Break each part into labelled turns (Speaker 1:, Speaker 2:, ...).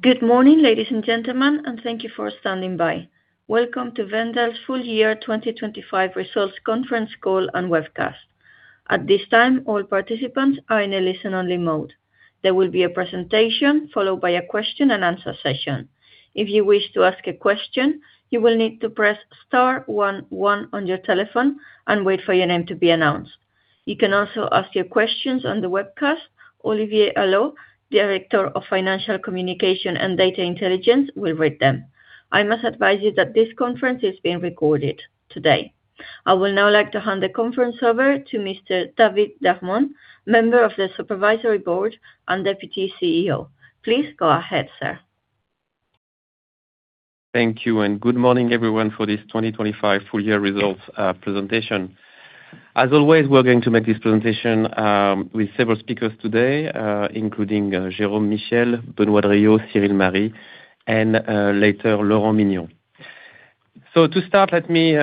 Speaker 1: Good morning, ladies and gentlemen, and thank you for standing by. Welcome to Wendel's Full Year 2025 Results Conference Call and Webcast. At this time, all participants are in a listen-only mode. There will be a presentation followed by a question and answer session. If you wish to ask a question, you will need to press star one one on your telephone and wait for your name to be announced. You can also ask your questions on the webcast. Olivier Allot, Director of Financial Communication and Data Intelligence, will read them. I must advise you that this conference is being recorded today. I would now like to hand the conference over to Mr. David Darmon, Member of the Supervisory Board and Deputy CEO. Please go ahead, sir.
Speaker 2: Thank you, and good morning, everyone, for this 2025 full year results presentation. As always, we're going to make this presentation with several speakers today, including Jérôme Michiels, Benoît Drillaud, Cyril Marie, and, later, Laurent Mignon. To start, let me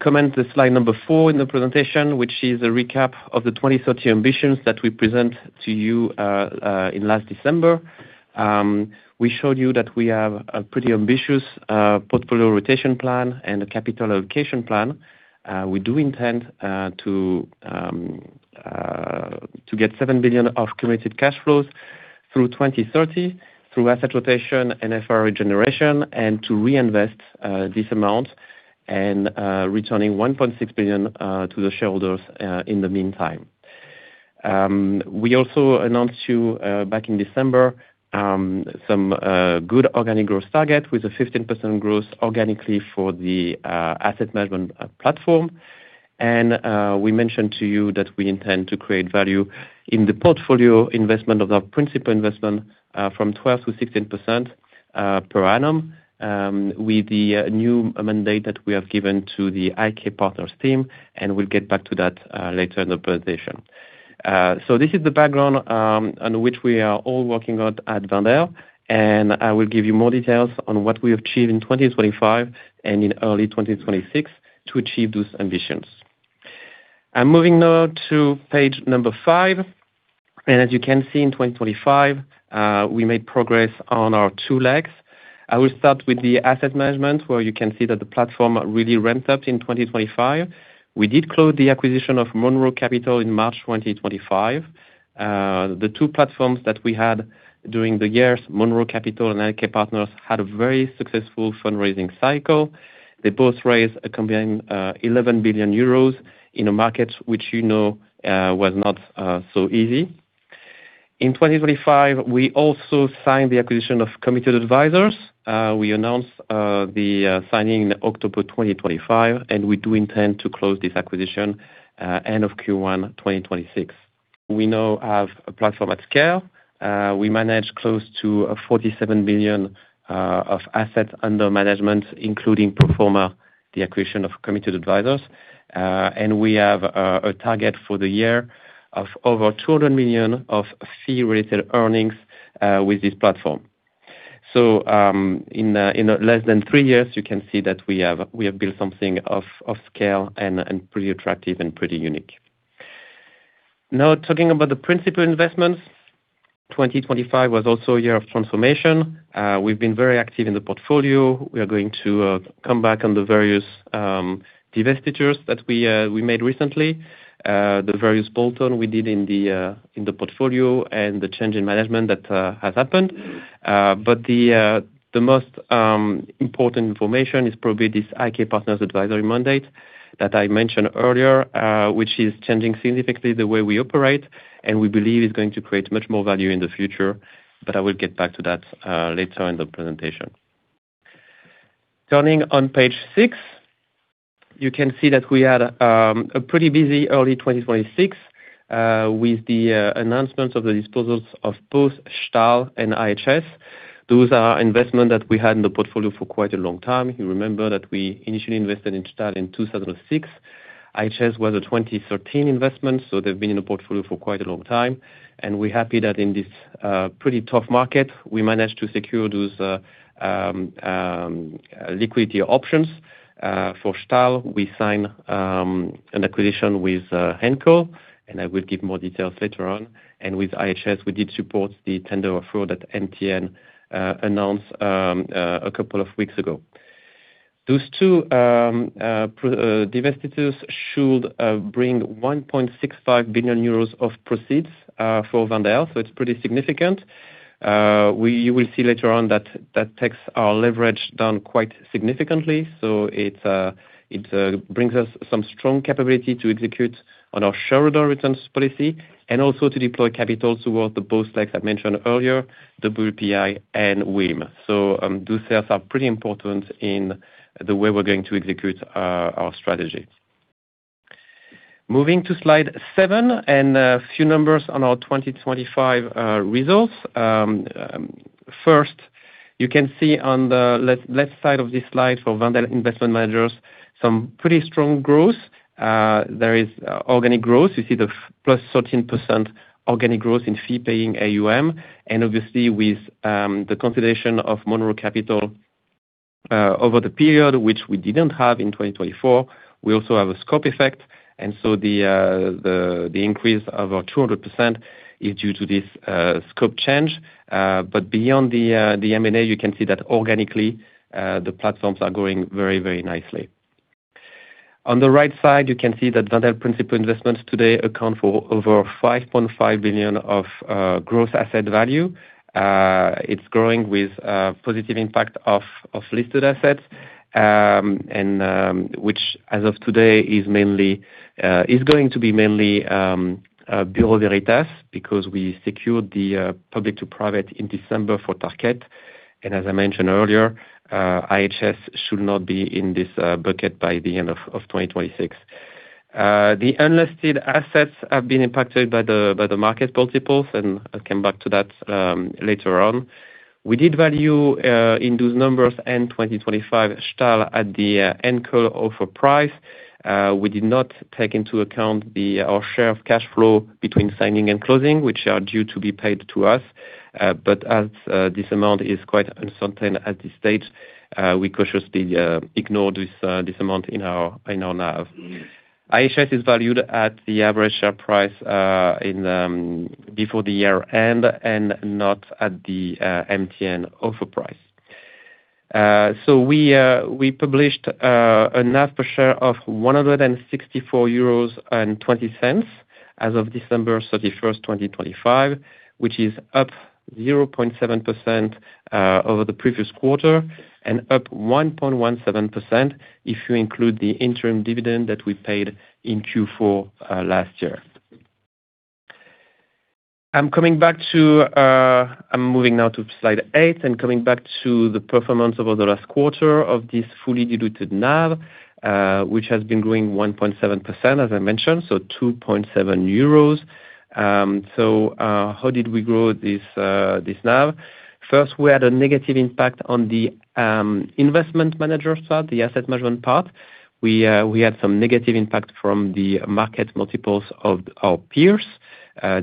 Speaker 2: comment the slide number 4 in the presentation, which is a recap of the 2030 ambitions that we present to you in last December. We showed you that we have a pretty ambitious portfolio rotation plan and a capital allocation plan. We do intend to get 7 billion of committed cash flows through 2030, through asset rotation and FRE generation, and to reinvest this amount and returning 1.6 billion to the shareholders in the meantime. We also announced to you back in December, some good organic growth target with a 15% growth organically for the asset management platform. We mentioned to you that we intend to create value in the portfolio investment of our principal investment from 12%-16% per annum, with the new mandate that we have given to the IK Partners team, and we'll get back to that later in the presentation. This is the background on which we are all working on at Wendel. I will give you more details on what we achieved in 2025 and in early 2026 to achieve those ambitions. I'm moving now to page 5. As you can see, in 2025, we made progress on our two legs. I will start with the asset management, where you can see that the platform really ramped up in 2025. We did close the acquisition of Monroe Capital in March 2025. The two platforms that we had during the years, Monroe Capital and IK Partners, had a very successful fundraising cycle. They both raised a combined 11 billion euros in a market which you know, was not so easy. In 2025, we also signed the acquisition of Committed Advisors. We announced the signing in October 2025, and we do intend to close this acquisition end of Q1 2026. We now have a platform at scale. We manage close to 47 billion of assets under management, including pro forma, the acquisition of Committed Advisors. We have a target for the year of over 200 million of Fee-Related Earnings with this platform. In less than 3 years, you can see that we have built something of scale and pretty attractive and pretty unique. Now, talking about the Principal Investments, 2025 was also a year of transformation. We've been very active in the portfolio. We are going to come back on the various divestitures that we made recently, the various bolt-on we did in the portfolio and the change in management that has happened. The most important information is probably this IK Partners advisory mandate that I mentioned earlier, which is changing significantly the way we operate, and we believe is going to create much more value in the future. I will get back to that later in the presentation. Turning on page 6, you can see that we had a pretty busy early 2026, with the announcement of the disposals of both Stahl and IHS. Those are investment that we had in the portfolio for quite a long time. You remember that we initially invested in Stahl in 2006. IHS was a 2013 investment, so they've been in the portfolio for quite a long time, and we're happy that in this pretty tough market, we managed to secure those liquidity options. For Stahl, we sign an acquisition with Henkel, and I will give more details later on. With IHS, we did support the tender offer that MTN announced a couple of weeks ago. Those two divestitures should bring 1.65 billion euros of proceeds for Wendel, so it's pretty significant. You will see later on that that takes our leverage down quite significantly. It brings us some strong capability to execute on our shareholder returns policy and also to deploy capital toward the both, like I mentioned earlier, WPI and WIM. Those sales are pretty important in the way we're going to execute our strategy. Moving to slide seven, and a few numbers on our 2025 results. First, you can see on the left side of this slide for Wendel Investment Managers, some pretty strong growth. There is organic growth. You see the +13% organic growth in Fee-Paying AUM, and obviously with the consolidation of Monroe Capital over the period which we didn't have in 2024, we also have a scope effect, and so the increase of our 200% is due to this scope change. Beyond the M&A, you can see that organically, the platforms are growing very nicely. On the right side, you can see that Wendel Principal Investments today account for over 5.5 billion of gross asset value. It's growing with positive impact of listed assets. Which as of today, is mainly going to be mainly Bureau Veritas, because we secured the public to private in December for Tarkett. As I mentioned earlier, IHS should not be in this bucket by the end of 2026. The unlisted assets have been impacted by the market multiples, and I'll come back to that later on. We did value in those numbers, end 2025, Stahl at the Henkel offer price. We did not take into account our share of cash flow between signing and closing, which are due to be paid to us. But as this amount is quite uncertain at this stage, we cautiously ignore this amount in our NAV. IHS is valued at the average share price in before the year-end, not at the MTN offer price. We published a NAV per share of 164.20 euros as of December 31, 2025, which is up 0.7% over the previous quarter, up 1.17% if you include the interim dividend that we paid in Q4 last year. I'm moving now to slide 8, coming back to the performance over the last quarter of this fully diluted NAV, which has been growing 1.7%, as I mentioned, 2.7 euros. How did we grow this NAV? First, we had a negative impact on the investment manager part, the asset management part. We had some negative impact from the market multiples of our peers,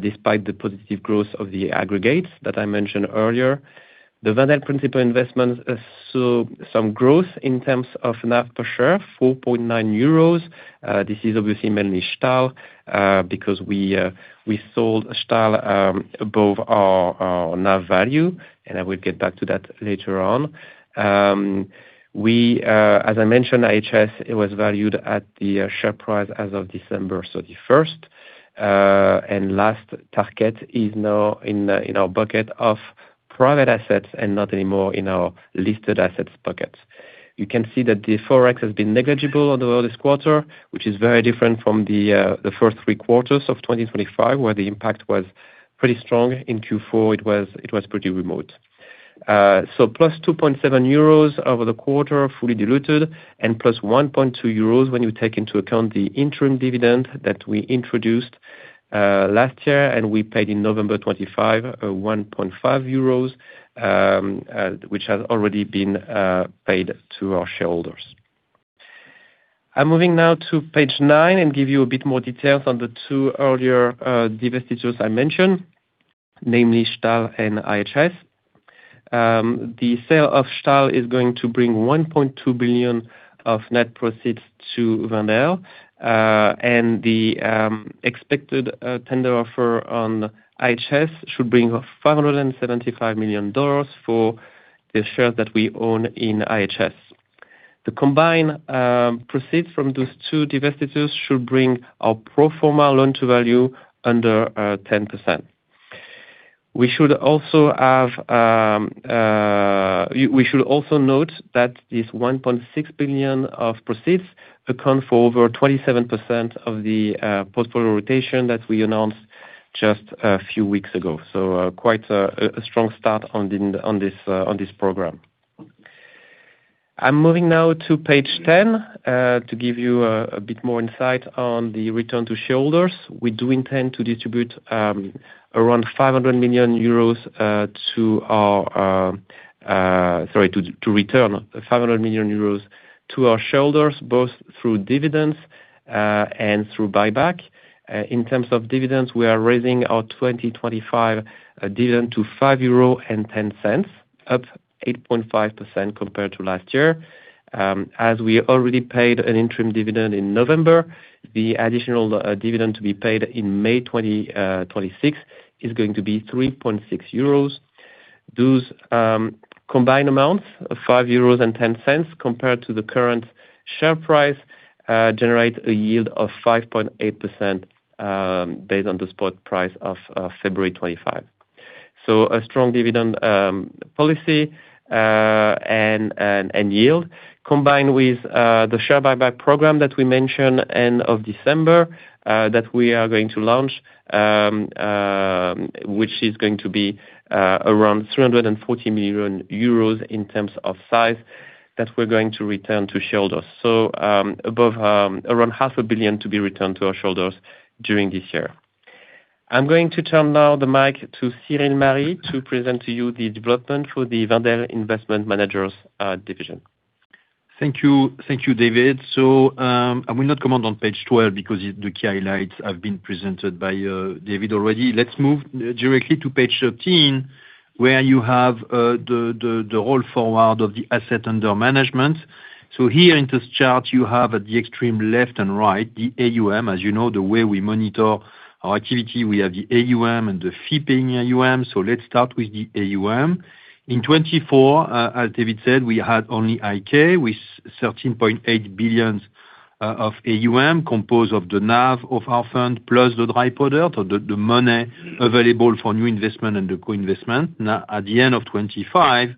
Speaker 2: despite the positive growth of the aggregates that I mentioned earlier. The Wendel Principal Investments saw some growth in terms of NAV per share, 4.9 euros. This is obviously mainly Stahl, because we sold Stahl above our NAV value, and I will get back to that later on. We, as I mentioned, IHS, it was valued at the share price as of December 31st. Last Tarkett is now in our bucket of private assets and not anymore in our listed assets bucket. You can see that the Forex has been negligible over this quarter, which is very different from the first three quarters of 2025, where the impact was pretty strong. In Q4, it was pretty remote. Plus 2.7 euros over the quarter, fully diluted, and +1.2 euros when you take into account the interim dividend that we introduced last year, and we paid in November 2025, 1.5 euros, which has already been paid to our shareholders. I'm moving now to page 9, and give you a bit more details on the two earlier divestitures I mentioned, namely Stahl and IHS. The sale of Stahl is going to bring $1.2 billion of net proceeds to Wendel, and the expected tender offer on IHS should bring up $575 million for the shares that we own in IHS. The combined proceeds from those two divestitures should bring our pro forma loan to value under 10%. We should also note that this $1.6 billion of proceeds account for over 27% of the portfolio rotation that we announced just a few weeks ago. Quite a strong start on this program. I'm moving now to page 10 to give you a bit more insight on the return to shareholders. We do intend to distribute, around 500 million euros, to our, sorry, to return 500 million euros to our shareholders, both through dividends, and through buyback. In terms of dividends, we are raising our 2025 dividend to 5.10 euro, up 8.5% compared to last year. As we already paid an interim dividend in November, the additional dividend to be paid in May 2026, is going to be 3.6 euros. Those combined amounts of 5.10 euros compared to the current share price, generates a yield of 5.8%, based on the spot price of February 25. A strong dividend policy and yield, combined with the share buyback program that we mentioned end of December, that we are going to launch, which is going to be around 340 million euros in terms of size that we're going to return to shareholders. Above, around half a billion to be returned to our shareholders during this year. I'm going to turn now the mic to Cyril Marie, to present to you the development for the Wendel Investment Managers division.
Speaker 3: Thank you, thank you, David. I will not comment on page 12 because the key highlights have been presented by David already. Let's move directly to page 13, where you have the roll forward of the Assets Under Management. Here in this chart, you have at the extreme left and right, the AUM, as you know, the way we monitor our activity, we have the AUM and the Fee-Paying AUM. Let's start with the AUM. In 2024, as David said, we had only IK with 13.8 billion of AUM, composed of the NAV of our fund, plus the dry powder, so the money available for new investment and the co-investment. At the end of 2025,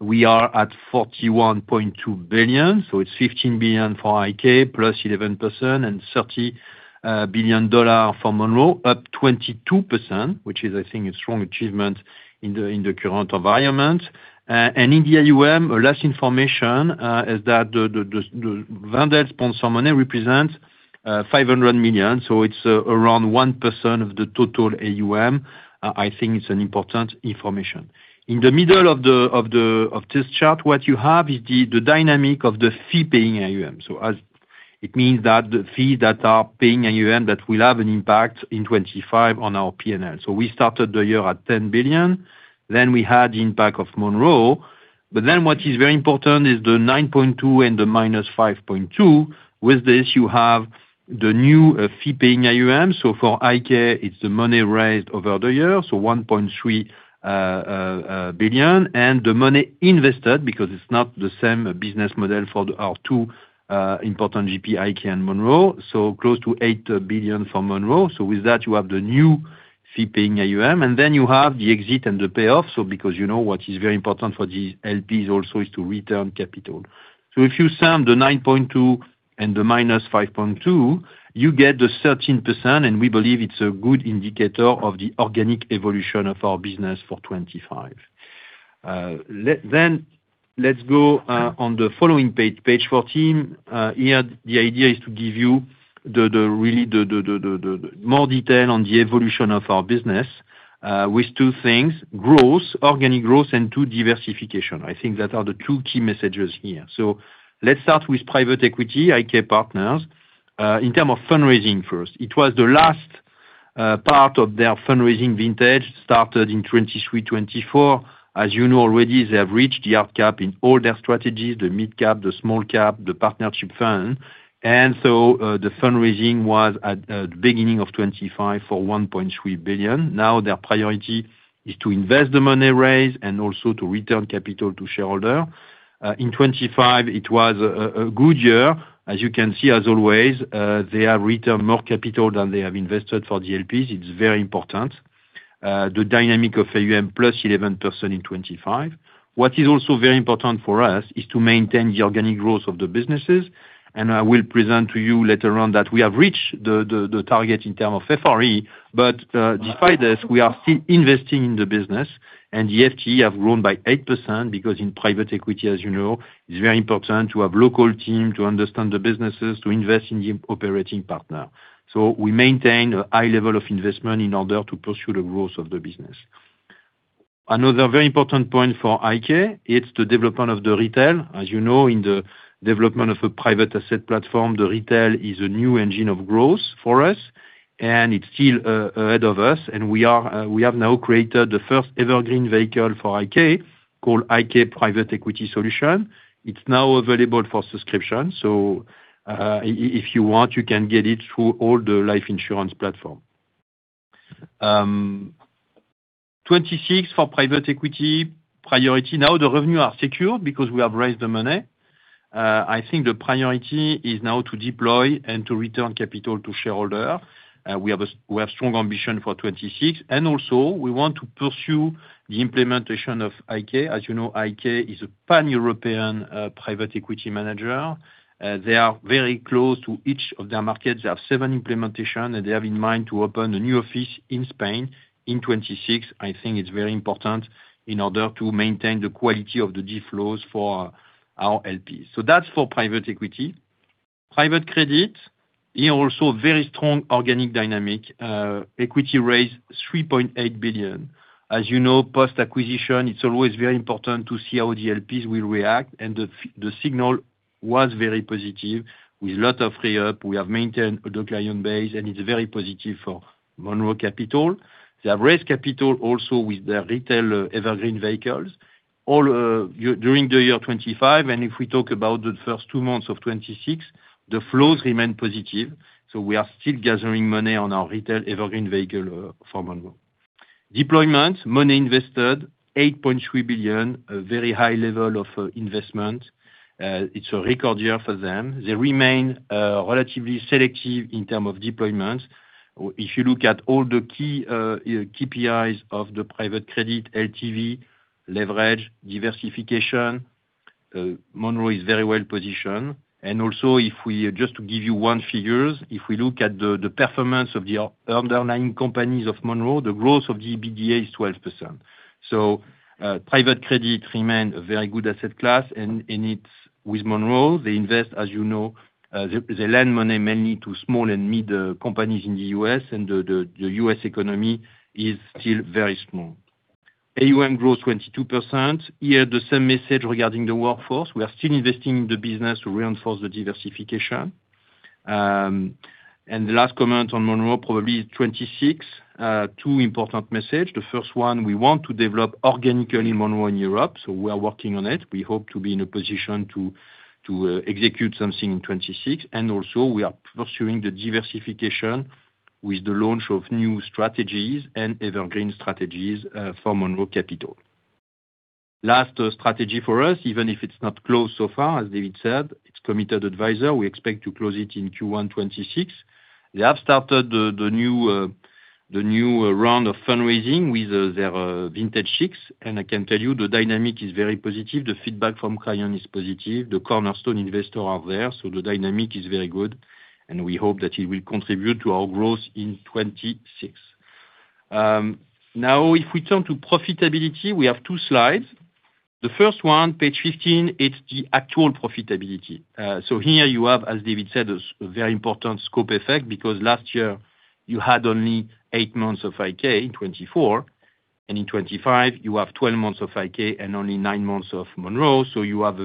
Speaker 3: we are at $41.2 billion, so it's $15 billion for IK, plus 11%, and $30 billion for Monroe, up 22%, which is, I think, a strong achievement in the, in the current environment. In the AUM, less information, is that the, the funded sponsored money represents $500 million, so it's around 1% of the total AUM. I think it's an important information. In the middle of the, of the, of this chart, what you have is the dynamic of the Fee-Paying AUM. It means that the fees that are paying AUM, that will have an impact in 2025 on our PNL. We started the year at 10 billion, then we had impact of Monroe, but then what is very important is the 9.2 and the -5.2. With this, you have the new Fee-Paying AUM. For IK, it's the money raised over the years, 1.3 billion, and the money invested, because it's not the same business model for our two important GP, IK and Monroe, close to 8 billion for Monroe. With that, you have the new Fee-Paying AUM, and then you have the exit and the payoff. Because you know, what is very important for these LPs also is to return capital. If you sum the 9.2 and the -5.2, you get the 13%, and we believe it's a good indicator of the organic evolution of our business for 2025. Let's go on the following page 14. Here, the idea is to give you the more detail on the evolution of our business with two things: growth, organic growth, and 2, diversification. I think that are the 2 key messages here. Let's start with private equity, IK Partners. In terms of fundraising first, it was the last part of their fundraising vintage, started in 2023, 2024. As you know, already, they have reached the hard cap in all their strategies, the mid cap, the small cap, the partnership fund. The fundraising was at the beginning of 2025 for 1.3 billion. Now, their priority is to invest the money raised and also to return capital to shareholder. In 2025, it was a good year. As you can see, as always, they have returned more capital than they have invested for GLPs. It's very important. The dynamic of AUM, +11% in 2025. What is also very important for us is to maintain the organic growth of the businesses. I will present to you later on that we have reached the target in term of FRE. Despite this, we are still investing in the business, and the FTE have grown by 8%, because in private equity, as you know, it's very important to have local team, to understand the businesses, to invest in the operating partner. We maintain a high level of investment in order to pursue the growth of the business. Another very important point for IK, it's the development of the retail. As you know, in the development of a private asset platform, the retail is a new engine of growth for us, and it's still ahead of us, and we have now created the first ever green vehicle for IK, called IK Private Equity Solution. It's now available for subscription, if you want, you can get it through all the life insurance platform. 2026 for private equity priority, now the revenue are secured because we have raised the money. I think the priority is now to deploy and to return capital to shareholder. We have strong ambition for 2026, and also we want to pursue the implementation of IK. As you know, IK is a pan-European private equity manager. They are very close to each of their markets. They have 7 implementation, and they have in mind to open a new office in Spain in 2026. I think it's very important in order to maintain the quality of the deal flows for our LPs. That's for private equity. Private credit, here, also very strong organic dynamic. Equity raised 3.8 billion. As you know, post-acquisition, it's always very important to see how the LPs will react, and the signal was very positive, with lot of re-up. We have maintained the client base, and it's very positive for Monroe Capital. They have raised capital also with their retail evergreen vehicles. All during the year 2025, and if we talk about the first two months of 2026, the flows remain positive, so we are still gathering money on our retail evergreen vehicle for Monroe. Deployment, money invested, 8.3 billion, a very high level of investment. It's a record year for them. They remain relatively selective in term of deployment. If you look at all the key KPIs of the private credit, LTV, leverage, diversification, Monroe is very well positioned. If we just to give you one figures, if we look at the performance of the underlying companies of Monroe, the growth of EBITDA is 12%. Private credit remain a very good asset class, and it's with Monroe, they invest, as you know, they lend money mainly to small and mid companies in the U.S., and the U.S. economy is still very small. AUM growth 22%. Here, the same message regarding the workforce. We are still investing in the business to reinforce the diversification. The last comment on Monroe, probably 2026. Two important message. The first one, we want to develop organically Monroe in Europe, we are working on it. We hope to be in a position to execute something in 2026. We are pursuing the diversification with the launch of new strategies and evergreen strategies for Monroe Capital. Last strategy for us, even if it's not close so far, as David said, it's Committed Advisors. We expect to close it in Q1 2026. They have started the new round of fundraising with their vintage 6, and I can tell you the dynamic is very positive. The feedback from client is positive. The cornerstone investor are there, so the dynamic is very good, and we hope that it will contribute to our growth in 2026. Now, if we turn to profitability, we have two slides. The first one, page 15, it's the actual profitability. Here you have, as David Darmon said, a very important scope effect because last year you had only 8 months of IK in 2024, and in 2025, you have 12 months of IK and only 9 months of Monroe. You have,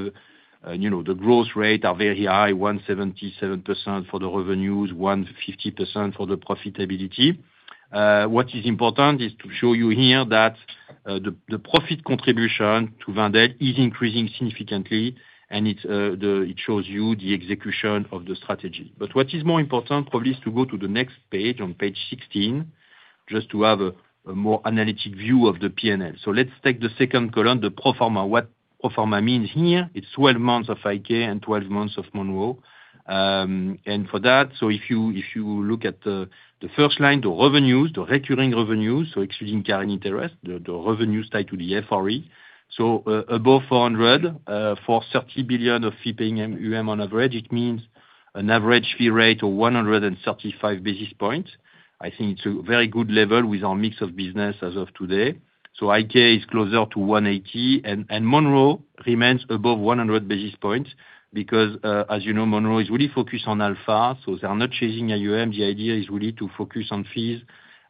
Speaker 3: you know, the growth rate are very high, 177% for the revenues, 150% for the profitability. What is important is to show you here that the profit contribution to Wendel is increasing significantly, and it shows you the execution of the strategy. What is more important, probably, is to go to the next page, on page 16, just to have a more analytic view of the PNL. Let's take the second column, the pro forma. What pro forma means here, it's 12 months of IK and 12 months of Monroe. For that, if you look at the first line, the revenues, the recurring revenues, so excluding current interest, the revenues tied to the FRE. Above 430 billion of Fee-Paying AUM on average, it means an average fee rate of 135 basis points. I think it's a very good level with our mix of business as of today. IK is closer to 180, and Monroe remains above 100 basis points because, as you know, Monroe is really focused on alpha, so they are not chasing AUM. The idea is really to focus on fees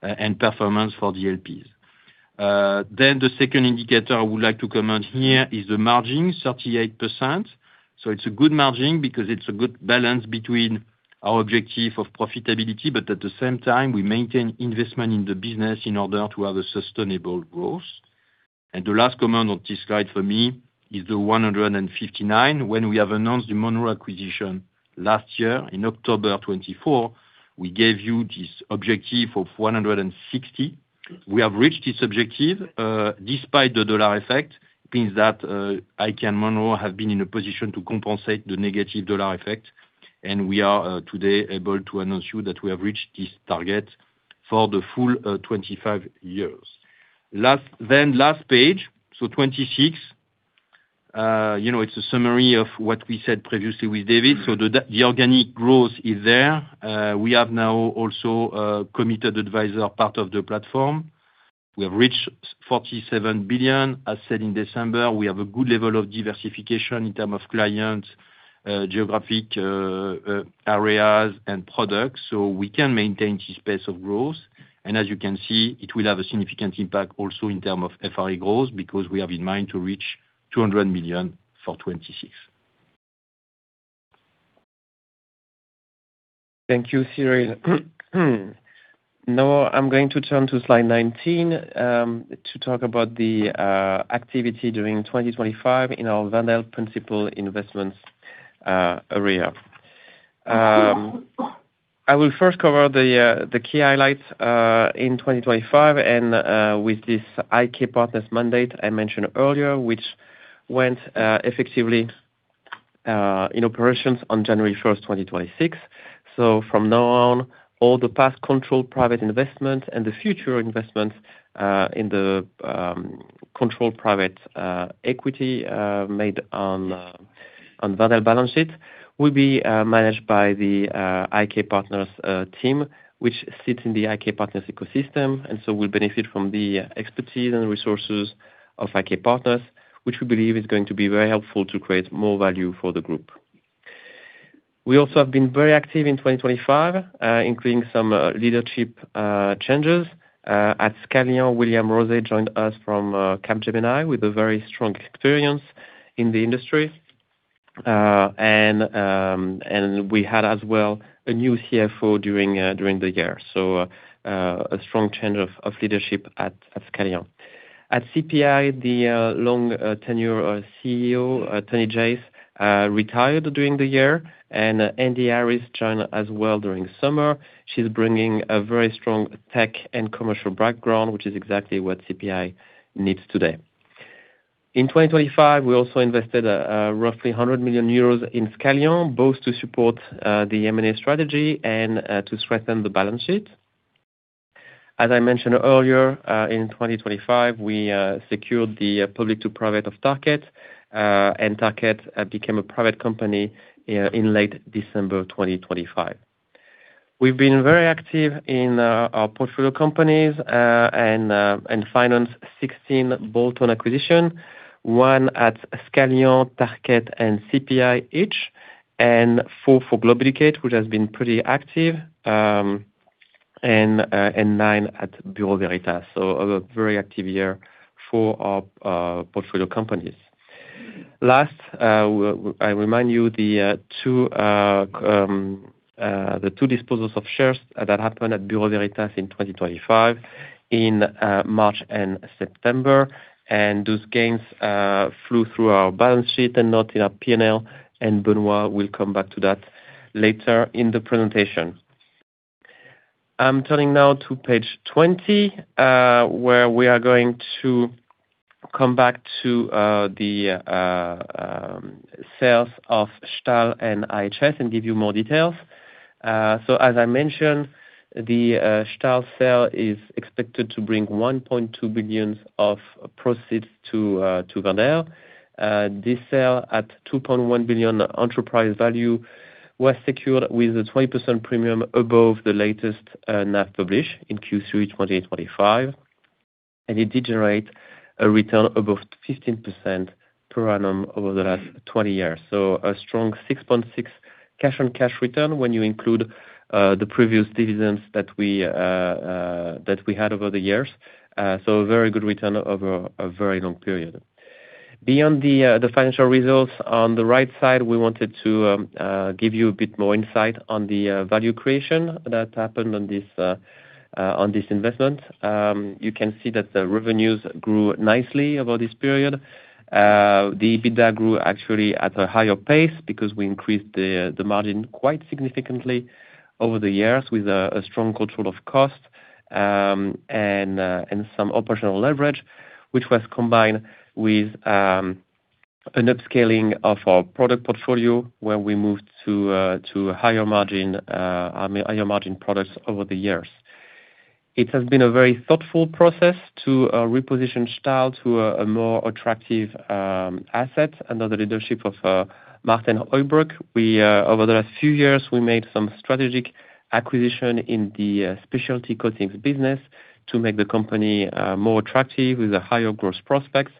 Speaker 3: and performance for the LPs. The second indicator I would like to comment here is the margin, 38%. It's a good margin because it's a good balance between our objective of profitability, but at the same time, we maintain investment in the business in order to have a sustainable growth. The last comment on this slide for me is the 159. When we have announced the Monroe acquisition last year, in October of 2024, we gave you this objective of 160. We have reached this objective, despite the dollar effect, means that IK and Monroe have been in a position to compensate the negative dollar effect, and we are today able to announce you that we have reached this target for the full 2025 years. Last page, 26. You know, it's a summary of what we said previously with David. The organic growth is there. We have now also a committed advisor part of the platform. We have reached 47 billion. As said in December, we have a good level of diversification in term of clients, geographic areas and products, we can maintain this pace of growth. As you can see, it will have a significant impact also in term of FRE growth, because we have in mind to reach 200 million for 2026.
Speaker 2: Thank you, Cyril. I'm going to turn to slide 19 to talk about the activity during 2025 in our Wendel Principal Investments area. I will first cover the key highlights in 2025, and with this IK Partners mandate I mentioned earlier, which went effectively in operations on January 1, 2026. From now on, all the past controlled private investment and the future investments in the controlled private equity made on Wendel balance sheet, will be managed by the IK Partners team, which sits in the IK Partners' ecosystem, and so will benefit from the expertise and resources of IK Partners, which we believe is going to be very helpful to create more value for the group. We also have been very active in 2025, including some leadership changes at Scalian. William Rozé joined us from Capgemini, with a very strong experience in the industry. We had as well, a new CFO during the year. A strong change of leadership at Scalian. At CPI, the long tenure CEO, Tony Jace, retired during the year. Andee Harris joined as well during summer. She's bringing a very strong tech and commercial background, which is exactly what CPI needs today. In 2025, we also invested roughly 100 million euros in Scalian, both to support the M&A strategy and to strengthen the balance sheet. As I mentioned earlier, in 2025, we secured the public to private of Tarkett, and Tarkett became a private company in late December of 2025. We've been very active in our portfolio companies and financed 16 bolt-on acquisition, One at Scalian, Tarkett, and CPI each. Four for Globeducate, which has been pretty active, and nine at Bureau Veritas. A very active year for our portfolio companies. Last, I remind you the two disposals of shares that happened at Bureau Veritas in 2025, in March and September, and those gains flew through our balance sheet and not in our PNL, and Benoît will come back to that later in the presentation. I'm turning now to page 20, where we are going to come back to the sales of Stahl and IHS, and give you more details. As I mentioned, the Stahl sale is expected to bring 1.2 billion of proceeds to Wendel. This sale at 2.1 billion enterprise value, was secured with a 20% premium above the latest NAV published in Q3 2025. It did generate a return above 15% per annum over the last 20 years. A strong 6.6 cash-on-cash return when you include the previous dividends that we had over the years. A very good return over a very long period. Beyond the financial results on the right side, we wanted to give you a bit more insight on the value creation that happened on this investment. You can see that the revenues grew nicely over this period. The EBITDA grew actually at a higher pace, because we increased the margin quite significantly over the years, with a strong control of cost, and some operational leverage, which was combined with an upscaling of our product portfolio, where we moved to a higher margin, higher margin products over the years. It has been a very thoughtful process to reposition Stahl to a more attractive asset under the leadership of Maarten Heijbroek. We over the last few years, we made some strategic acquisition in the specialty coatings business to make the company more attractive with a higher growth prospects.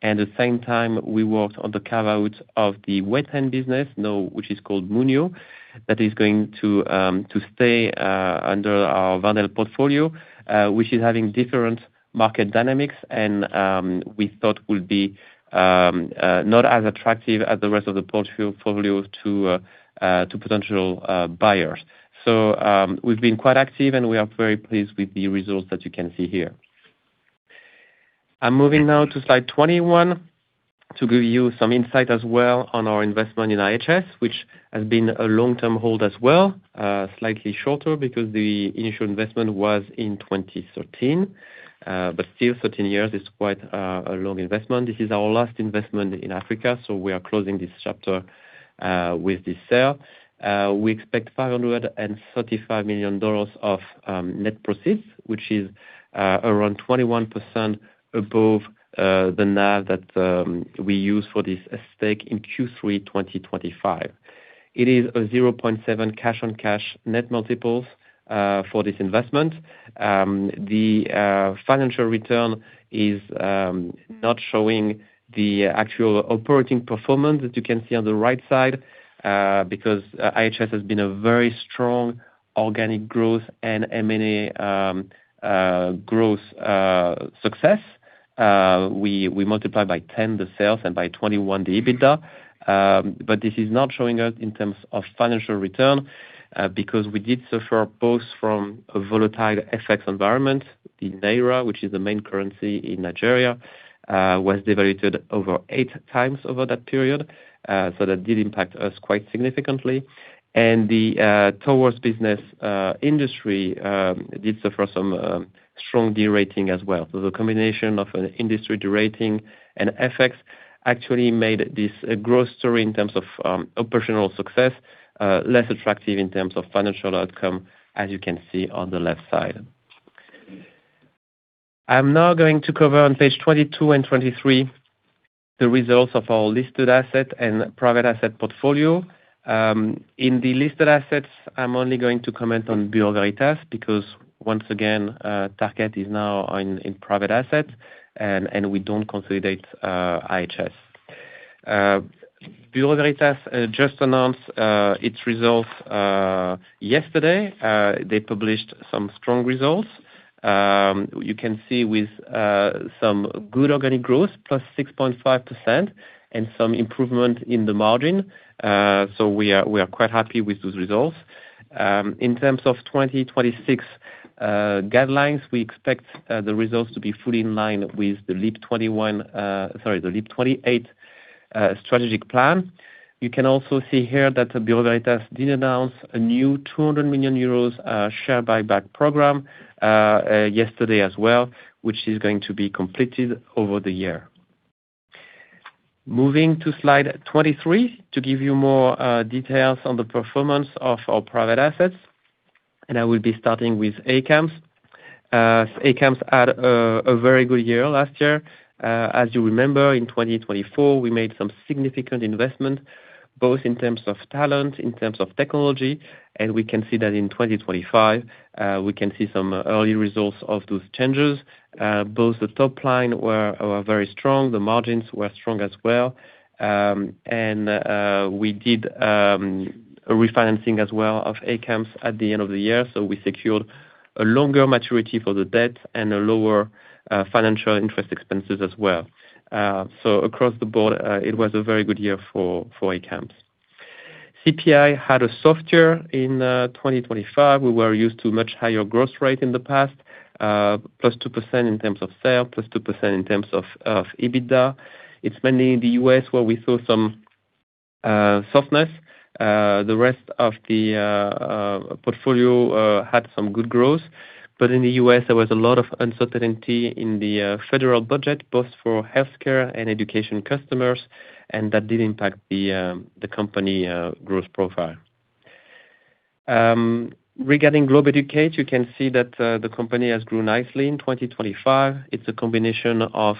Speaker 2: At the same time, we worked on the carve-out of the wet-end business, now which is called Munna, that is going to stay under our Wendel portfolio, which is having different market dynamics, and we thought would be not as attractive as the rest of the portfolio to potential buyers. We've been quite active, and we are very pleased with the results that you can see here. I'm moving now to slide 21, to give you some insight as well on our investment in IHS, which has been a long-term hold as well. Slightly shorter, because the initial investment was in 2013. Still 13 years is quite a long investment. This is our last investment in Africa, we are closing this chapter with this sale. We expect $535 million of net proceeds, which is around 21% above the NAV that we used for this stake in Q3 2025. It is a 0.7 cash-on-cash net multiples for this investment. The financial return is not showing the actual operating performance that you can see on the right side, because IHS has been a very strong organic growth and M&A growth success. We multiply by 10 the sales, and by 21 the EBITDA, this is not showing it in terms of financial return, because we did suffer both from a volatile FX environment. The Naira, which is the main currency in Nigeria, was devalued over 8 times over that period. That did impact us quite significantly. The Towers business industry did suffer some strong de-rating as well. The combination of an industry de-rating and FX, actually made this a growth story in terms of operational success, less attractive in terms of financial outcome, as you can see on the left side. I'm now going to cover on page 22 and 23, the results of our listed asset and private asset portfolio. In the listed assets, I'm only going to comment on Bureau Veritas, because once again, Tarkett is now on, in private assets, and we don't consolidate IHS. Bureau Veritas just announced its results yesterday. They published some strong results. You can see with some good organic growth, +6.5%, and some improvement in the margin. We are quite happy with those results. In terms of 2026 guidelines, we expect the results to be fully in line with the Leap 28 strategic plan. You can also see here that Bureau Veritas did announce a new 200 million euros share buyback program yesterday as well, which is going to be completed over the year. Moving to slide 23, to give you more details on the performance of our private assets. I will be starting with ACAMS. ACAMS had a very good year last year. As you remember, in 2024, we made some significant investment, both in terms of talent, in terms of technology, we can see that in 2025, we can see some early results of those changes. Both the top line were very strong, the margins were strong as well. We did a refinancing as well of ACAMS at the end of the year, we secured a longer maturity for the debt and a lower financial interest expenses as well. Across the board, it was a very good year for ACAMS. CPI had a soft year in 2025. We were used to much higher growth rate in the past, +2% in terms of sales, +2% in terms of EBITDA. It's mainly in the US where we saw some softness. The rest of the portfolio had some good growth. In the US, there was a lot of uncertainty in the federal budget, both for healthcare and education customers, and that did impact the company growth profile. Regarding Globeducate, you can see that the company has grown nicely in 2025. It's a combination of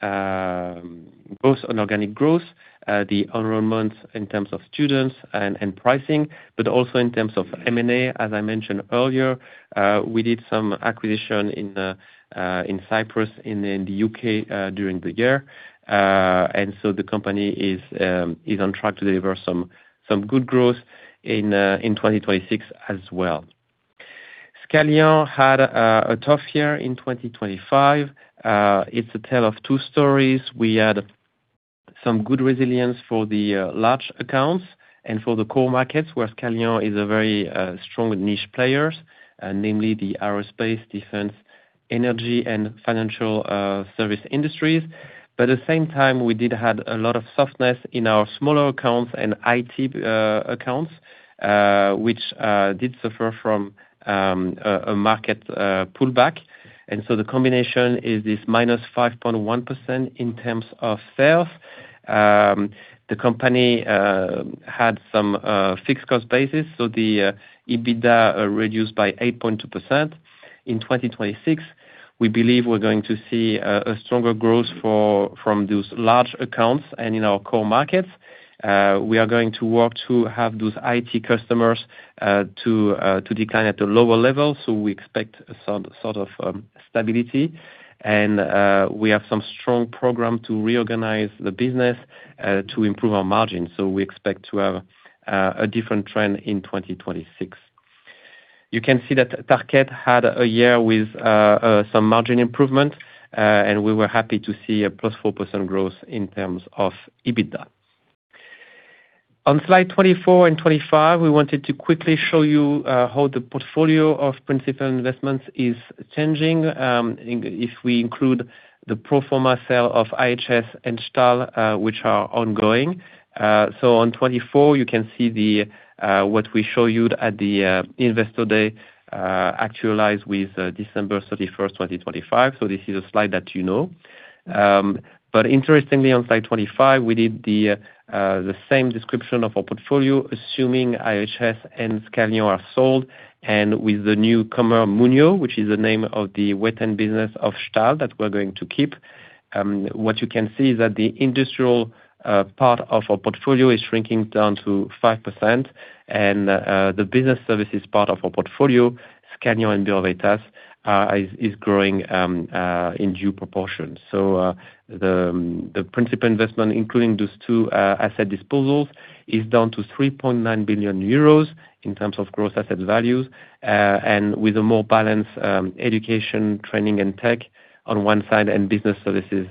Speaker 2: both on organic growth, the enrollments in terms of students and pricing, but also in terms of M&A. As I mentioned earlier, we did some acquisition in Cyprus, in the UK, during the year. The company is on track to deliver some good growth in 2026 as well. Scalian had a tough year in 2025. It's a tale of two stories. We had some good resilience for the large accounts and for the core markets, where Scalian is a very strong niche players, namely the aerospace, defense, energy, and financial service industries. At the same time, we did have a lot of softness in our smaller accounts and IT accounts, which did suffer from a market pullback. The combination is this -5.1% in terms of sales. The company had some fixed cost basis, so the EBITDA reduced by 8.2%. In 2026, we believe we're going to see a stronger growth from those large accounts and in our core markets. We are going to work to have those IT customers to decline at a lower level, so we expect some sort of stability. We have some strong program to reorganize the business to improve our margins. We expect to have a different trend in 2026. You can see that Tarkett had a year with some margin improvement, and we were happy to see a +4% growth in terms of EBITDA. On slide 24 and 25, we wanted to quickly show you how the portfolio of principal investments is changing, if we include the pro forma sale of IHS and Stahl, which are ongoing. On 24, you can see the what we showed you at the investor day, actualize with December 31, 2025. That you know. But interestingly, on slide 25, we did the same description of our portfolio, assuming IHS and Scalian are sold, and with the newcomer Munna, which is the name of the wet-end business of Stahl, that we're going to keep. What you can see is that the industrial part of our portfolio is shrinking down to 5%, and the business services part of our portfolio, Scalian and Bureau Veritas, is growing in due proportion. The principal investment, including those two asset disposals, is down to 3.9 billion euros in terms of gross asset values, and with a more balanced education, training, and tech on one side, and business services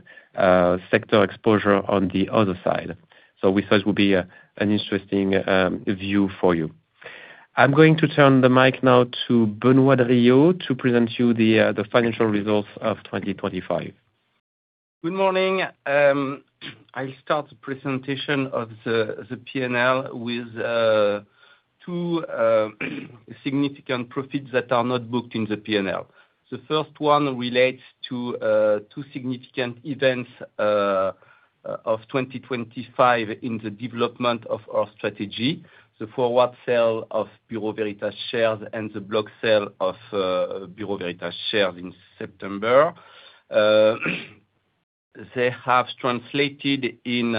Speaker 2: sector exposure on the other side We thought it would be an interesting view for you. I'm going to turn the mic now to Benoît Drillaud, to present you the financial results of 2025.
Speaker 4: Good morning. I'll start the presentation of the P&L with two significant profits that are not booked in the P&L. The first one relates to two significant events of 2025 in the development of our strategy. The forward sale of Bureau Veritas shares and the block sale of Bureau Veritas shares in September. They have translated in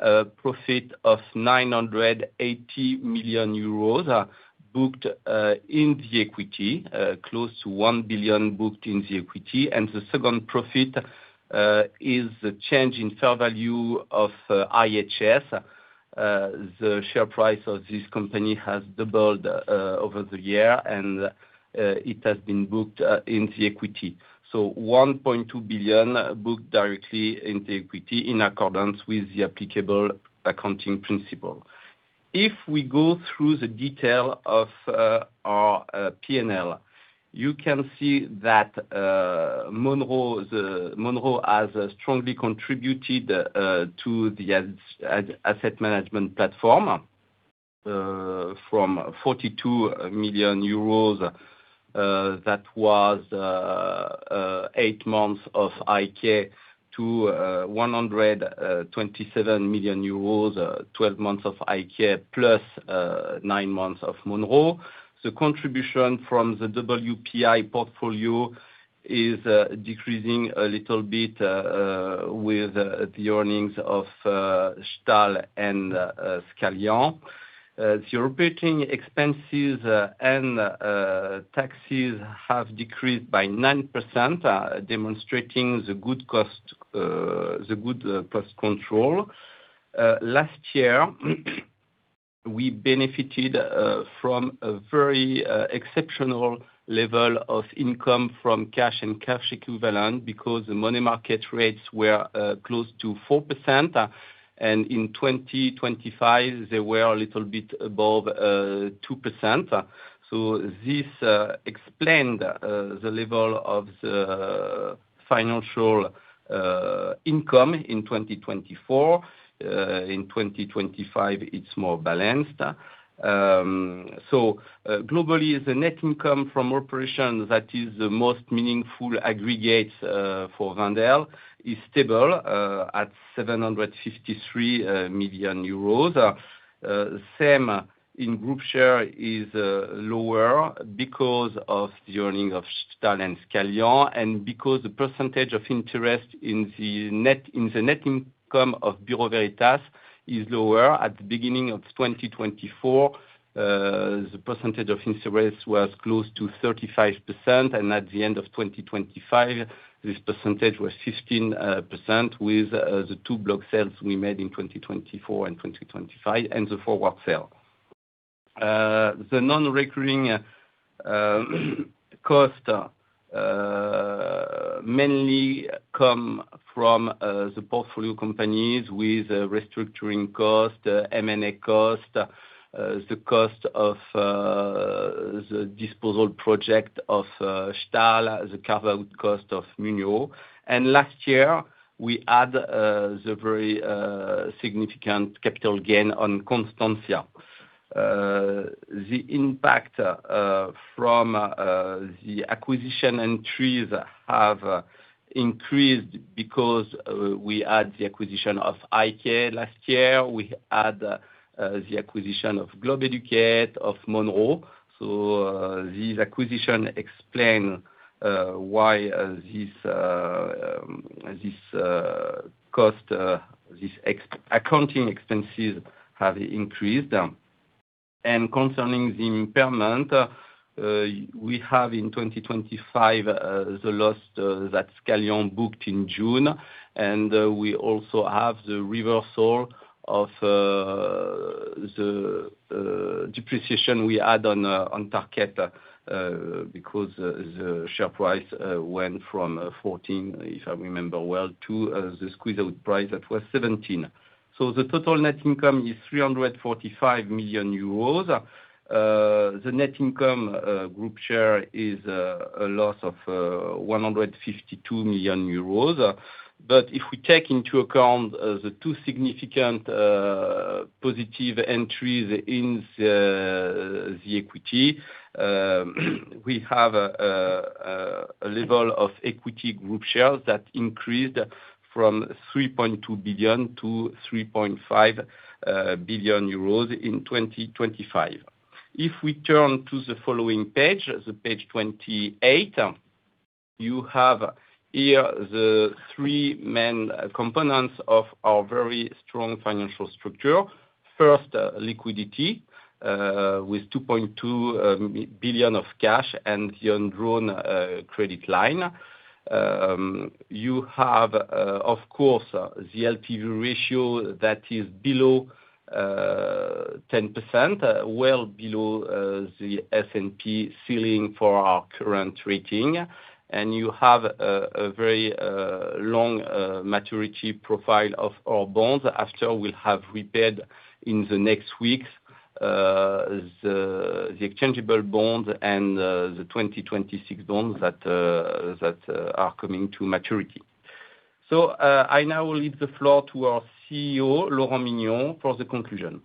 Speaker 4: a profit of 980 million euros booked in the equity, close to 1 billion booked in the equity. The second profit is the change in fair value of IHS. The share price of this company has doubled over the year, and it has been booked in the equity. 1.2 billion booked directly in the equity in accordance with the applicable accounting principle. If we go through the detail of our P&L, you can see that Monroe has strongly contributed to the asset management platform, from 42 million euros that was eight months of IK to 127 million euros, 12 months of IK plus nine months of Monroe. The contribution from the WPI portfolio is decreasing a little bit with the earnings of Stahl and Scalian. The operating expenses and taxes have decreased by 9%, demonstrating the good cost control. At the beginning of 2024, the percentage of interest was close to 35%, and at the end of 2025, this percentage was 15%, with the 2 block sales we made in 2024 and 2025, and the forward sale. The non-recurring cost mainly come from the portfolio companies with a restructuring cost, M&A cost, the cost of the disposal project of Stahl, the cover cost of Munna. Last year, we had the very significant capital gain on Constantia. The impact from the acquisition entries have increased because we had the acquisition of IK last year. We had the acquisition of Globeducate, of Monroe. This acquisition explain why this cost, this accounting expenses have increased. Concerning the impairment, we have in 2025 the loss that Scalian booked in June, we also have the reversal of the depreciation we had on Tarkett because the share price went from 14, if I remember well, to the squeeze out price that was 17. The total net income is 345 million euros. The net income group share is a loss of 152 million euros. If we take into account the two significant positive entries in the equity, we have a level of equity group shares that increased from 3.2 billion to 3.5 billion euros in 2025. If we turn to the following page, the page 28, you have here the three main components of our very strong financial structure. First, liquidity, with 2.2 billion of cash and the undrawn credit line. You have, of course, the LTV ratio that is below 10%, well below the S&P ceiling for our current rating. You have a very long maturity profile of our bonds after we'll have repaired in the next weeks, the exchangeable bond and the 2026 bonds that are coming to maturity. I now will leave the floor to our CEO, Laurent Mignon, for the conclusion.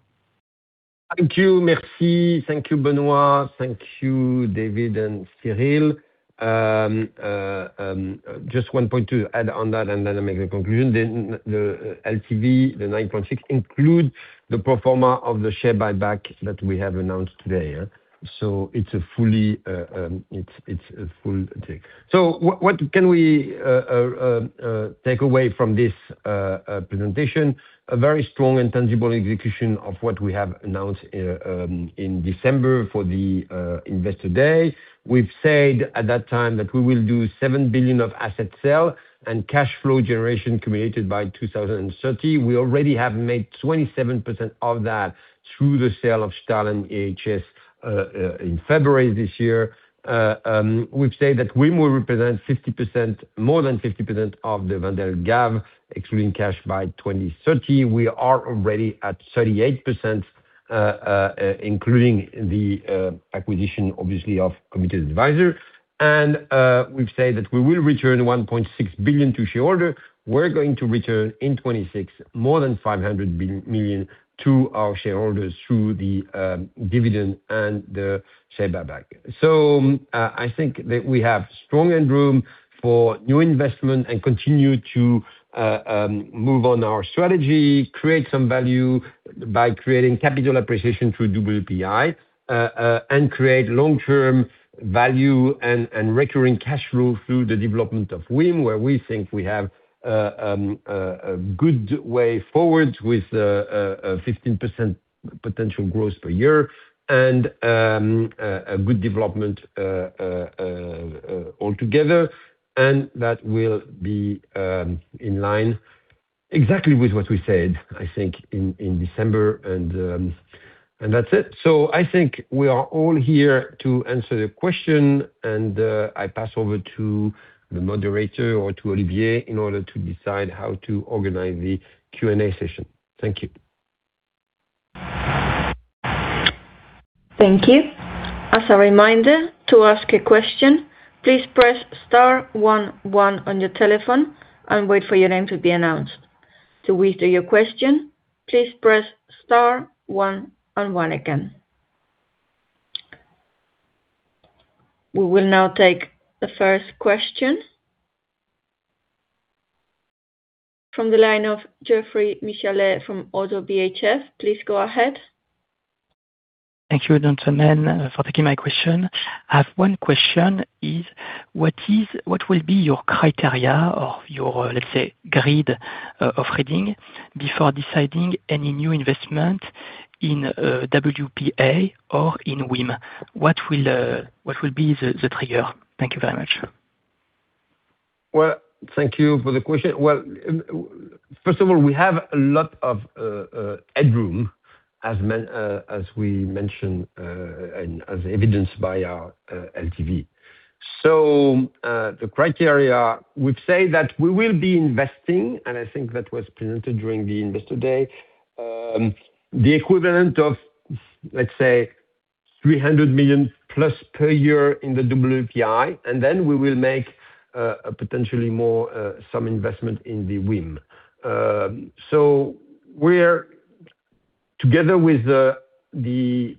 Speaker 5: Thank you, Merci. Thank you, Benoît Drillaud. Thank you, David Darmon and Cyril Marie. Just one point to add on that, I'll make the conclusion. The LTV, the 9.6, include the pro forma of the share buyback that we have announced today, yeah? It's a fully, it's a full thing. What can we take away from this presentation? A very strong and tangible execution of what we have announced in December for the Investor Day. We've said at that time that we will do 7 billion of asset sale and cash flow generation committed by 2030. We already have made 27% of that through the sale of Stahl and IHS Towers in February this year. We've said that we will represent 50%, more than 50% of the Wendel gap, excluding cash by 2030. We are already at 38%, including the acquisition, obviously, of Committed Advisors. We've said that we will return 1.6 billion to shareholder. We're going to return, in 2026, more than 500 million to our shareholders through the dividend and the share buyback. I think that we have strong end room for new investment and continue to move on our strategy, create some value by creating capital appreciation through WPI. And create long-term value and recurring cash flow through the development of WIM, where we think we have a good way forward with a 15% potential growth per year and a good development altogether, and that will be in line. Exactly with what we said, I think, in December, and that's it. I think we are all here to answer the question, and I pass over to the moderator or to Olivier, in order to decide how to organize the Q&A session. Thank you.
Speaker 1: Thank you. As a reminder, to ask a question, please press star one one on your telephone and wait for your name to be announced. To withdraw your question, please press star one and one again. We will now take the first question. From the line of Geoffroy Michalet from ODDO BHF, please go ahead.
Speaker 6: Thank you, gentlemen, for taking my question. I have one question: what will be your criteria or your, let's say, grade of reading, before deciding any new investment in WPI or in WIM? What will be the trigger? Thank you very much.
Speaker 5: Thank you for the question. First of all, we have a lot of headroom, as we mentioned, and as evidenced by our LTV. The criteria would say that we will be investing, and I think that was presented during the investor day, the equivalent of, let's say, 300 million+ per year in the WPI, we will make a potentially more investment in the WIM. We're together with the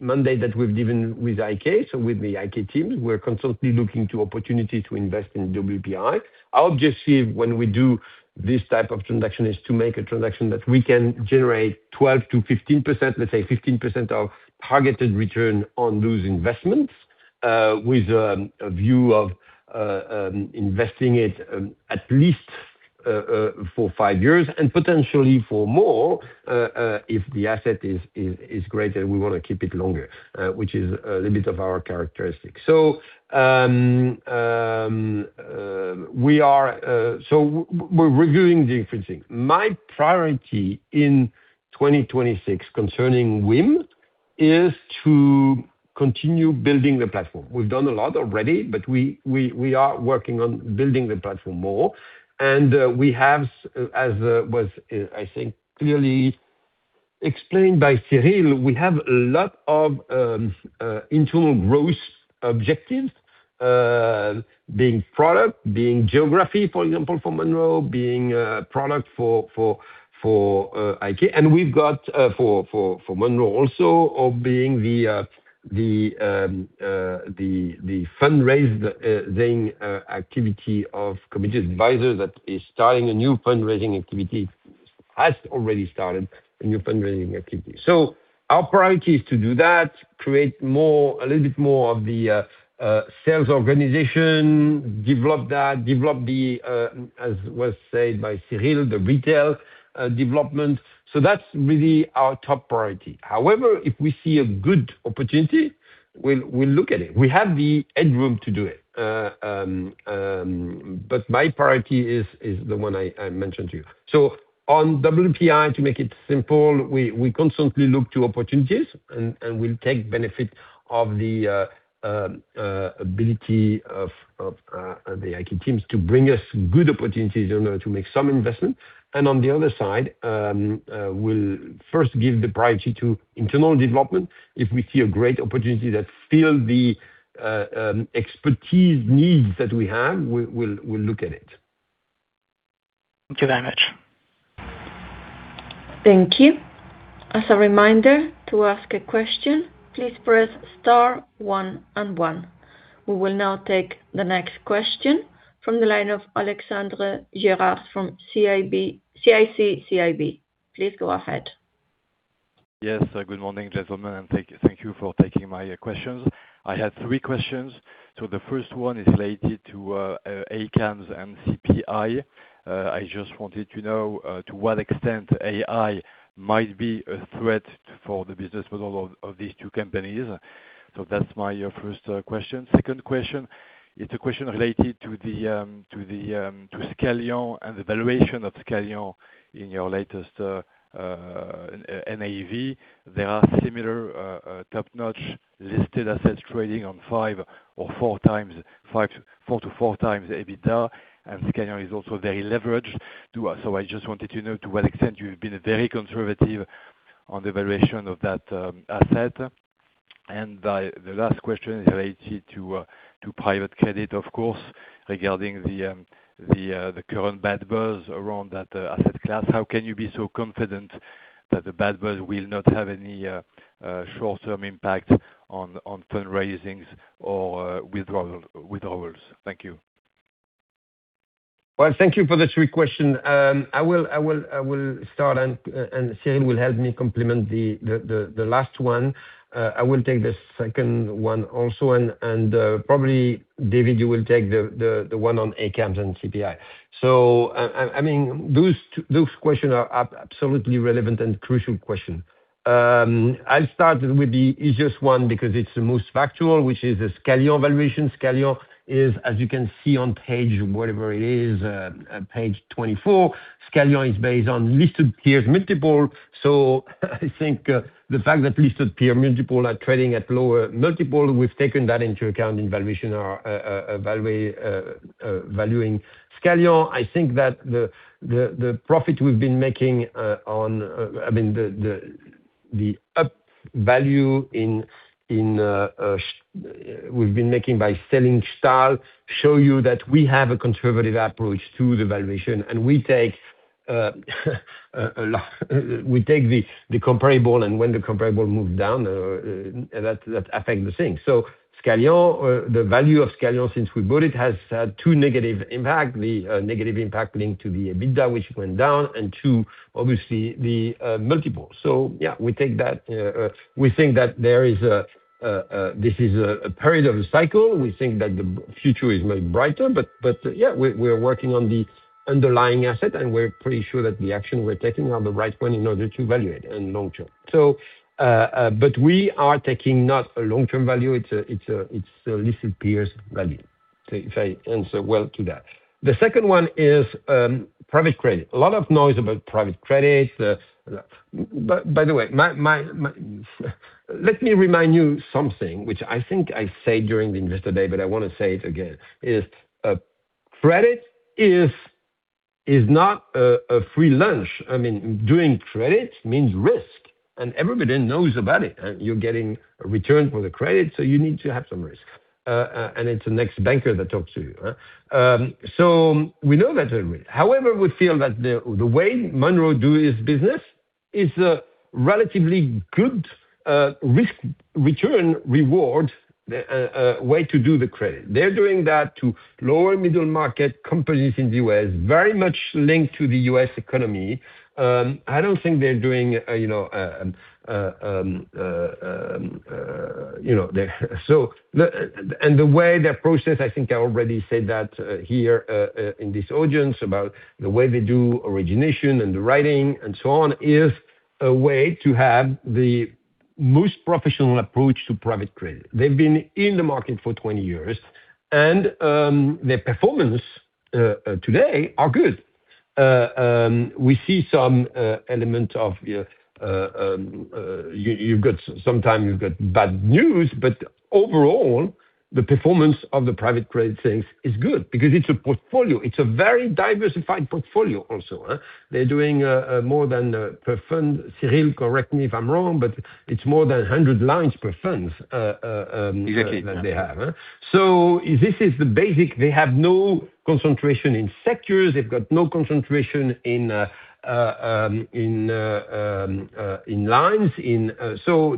Speaker 5: mandate that we've given with IK, with the IK teams, we're constantly looking to opportunity to invest in WPI. Our objective when we do this type of transaction, is to make a transaction that we can generate 12%-15%, let's say 15%, of targeted return on those investments. With a view of investing it, at least for 5 years, and potentially for more, if the asset is greater we want to keep it longer, which is a little bit of our characteristic. We are, we're reviewing the increasing. My priority in 2026 concerning WIM is to continue building the platform. We've done a lot already, but we are working on building the platform more. We have as was, I think, clearly explained by Cyril, we have a lot of internal growth objectives, being product, being geography, for example, for Monroe, being product for IK. We've got for Monroe also, of being the fundraised thing activity of Committed Advisors' that is starting a new fundraising activity, has already started a new fundraising activity. Our priority is to do that, create more, a little bit more of the sales organization, develop that, develop the as was said by Cyril, the retail development. That's really our top priority. However, if we see a good opportunity, we'll look at it. We have the headroom to do it. My priority is the one I mentioned to you. On WPI, to make it simple, we constantly look to opportunities and we'll take benefit of the ability of the IK teams to bring us good opportunities in order to make some investment. On the other side, we'll first give the priority to internal development. If we see a great opportunity that fill the expertise needs that we have, we'll look at it.
Speaker 6: Thank you very much.
Speaker 1: Thank you. As a reminder, to ask a question, please press star one and one. We will now take the next question from the line of Alexandre Gérard from CIC. Please go ahead.
Speaker 7: Yes, good morning, gentlemen, thank you for taking my questions. I had three questions. The first one is related to ACAMS and CPI. I just wanted to know to what extent AI might be a threat for the business model of these two companies? That's my first question. 2nd question, it's a question related to the to Scalian and the valuation of Scalian in your latest NAV. There are similar top-notch listed assets trading on five or four times, 5, 4 to 4 times the EBITDA, Scalian is also very leveraged to us. I just wanted to know to what extent you've been very conservative on the valuation of that asset? The last question is related to private credit, of course, regarding the current bad buzz around that asset class. How can you be so confident that the bad buzz will not have any short-term impact on fundraisings or withdrawals? Thank you.
Speaker 5: Thank you for the three question. I will start and Cyril will help me complement the last one. I will take the second one also, and probably David, you will take the one on ACAMS and CPI. I mean, those two, those question are absolutely relevant and crucial question. I'll start with the easiest one because it's the most factual, which is the Scalian valuation. Scalian is, as you can see on page, whatever it is, page 24, Scalian is based on listed tiers multiple. I think the fact that listed tier multiple are trading at lower multiple, we've taken that into account in valuation or valuing Scalian. I think that the profit we've been making, on, I mean, the up value in we've been making by selling Stahl, show you that we have a conservative approach to the valuation, and we take the comparable, and when the comparable moves down, that affect the thing. Scalian, the value of Scalian since we bought it, has had 2 negative impact. The negative impact linked to the EBITDA, which went down, and 2, obviously, the multiple. Yeah, we take that. We think that there is a period of a cycle. We think that the future is much brighter. Yeah, we're working on the underlying asset, and we're pretty sure that the action we're taking are the right one in order to value it in long term. We are taking not a long-term value, it's a listed peers value. If I answer well to that. The second one is private credit. A lot of noise about private credit. By the way, let me remind you something, which I think I said during the Investor Day, but I wanna say it again, is credit is not a free lunch. I mean, doing credit means risk, and everybody knows about it, and you're getting a return for the credit, so you need to have some risk. It's the next banker that talks to you. We know that's a risk. However, we feel that the way Monroe do its business is a relatively good risk-return reward way to do the credit. They're doing that to lower middle market companies in the US, very much linked to the US economy. I don't think they're doing, you know, the way they approach this, I think I already said that here in this audience, about the way they do origination and underwriting and so on, is a way to have the most professional approach to private credit. They've been in the market for 20 years, their performance today are good. We see some element of, you've got sometime you've got bad news, but overall, the performance of the private credit things is good because it's a portfolio. It's a very diversified portfolio also. They're doing more than per fund, Cyril, correct me if I'm wrong, but it's more than 100 lines per fund.
Speaker 3: Exactly.
Speaker 5: that they have. This is the basic. They have no concentration in sectors, they've got no concentration in lines.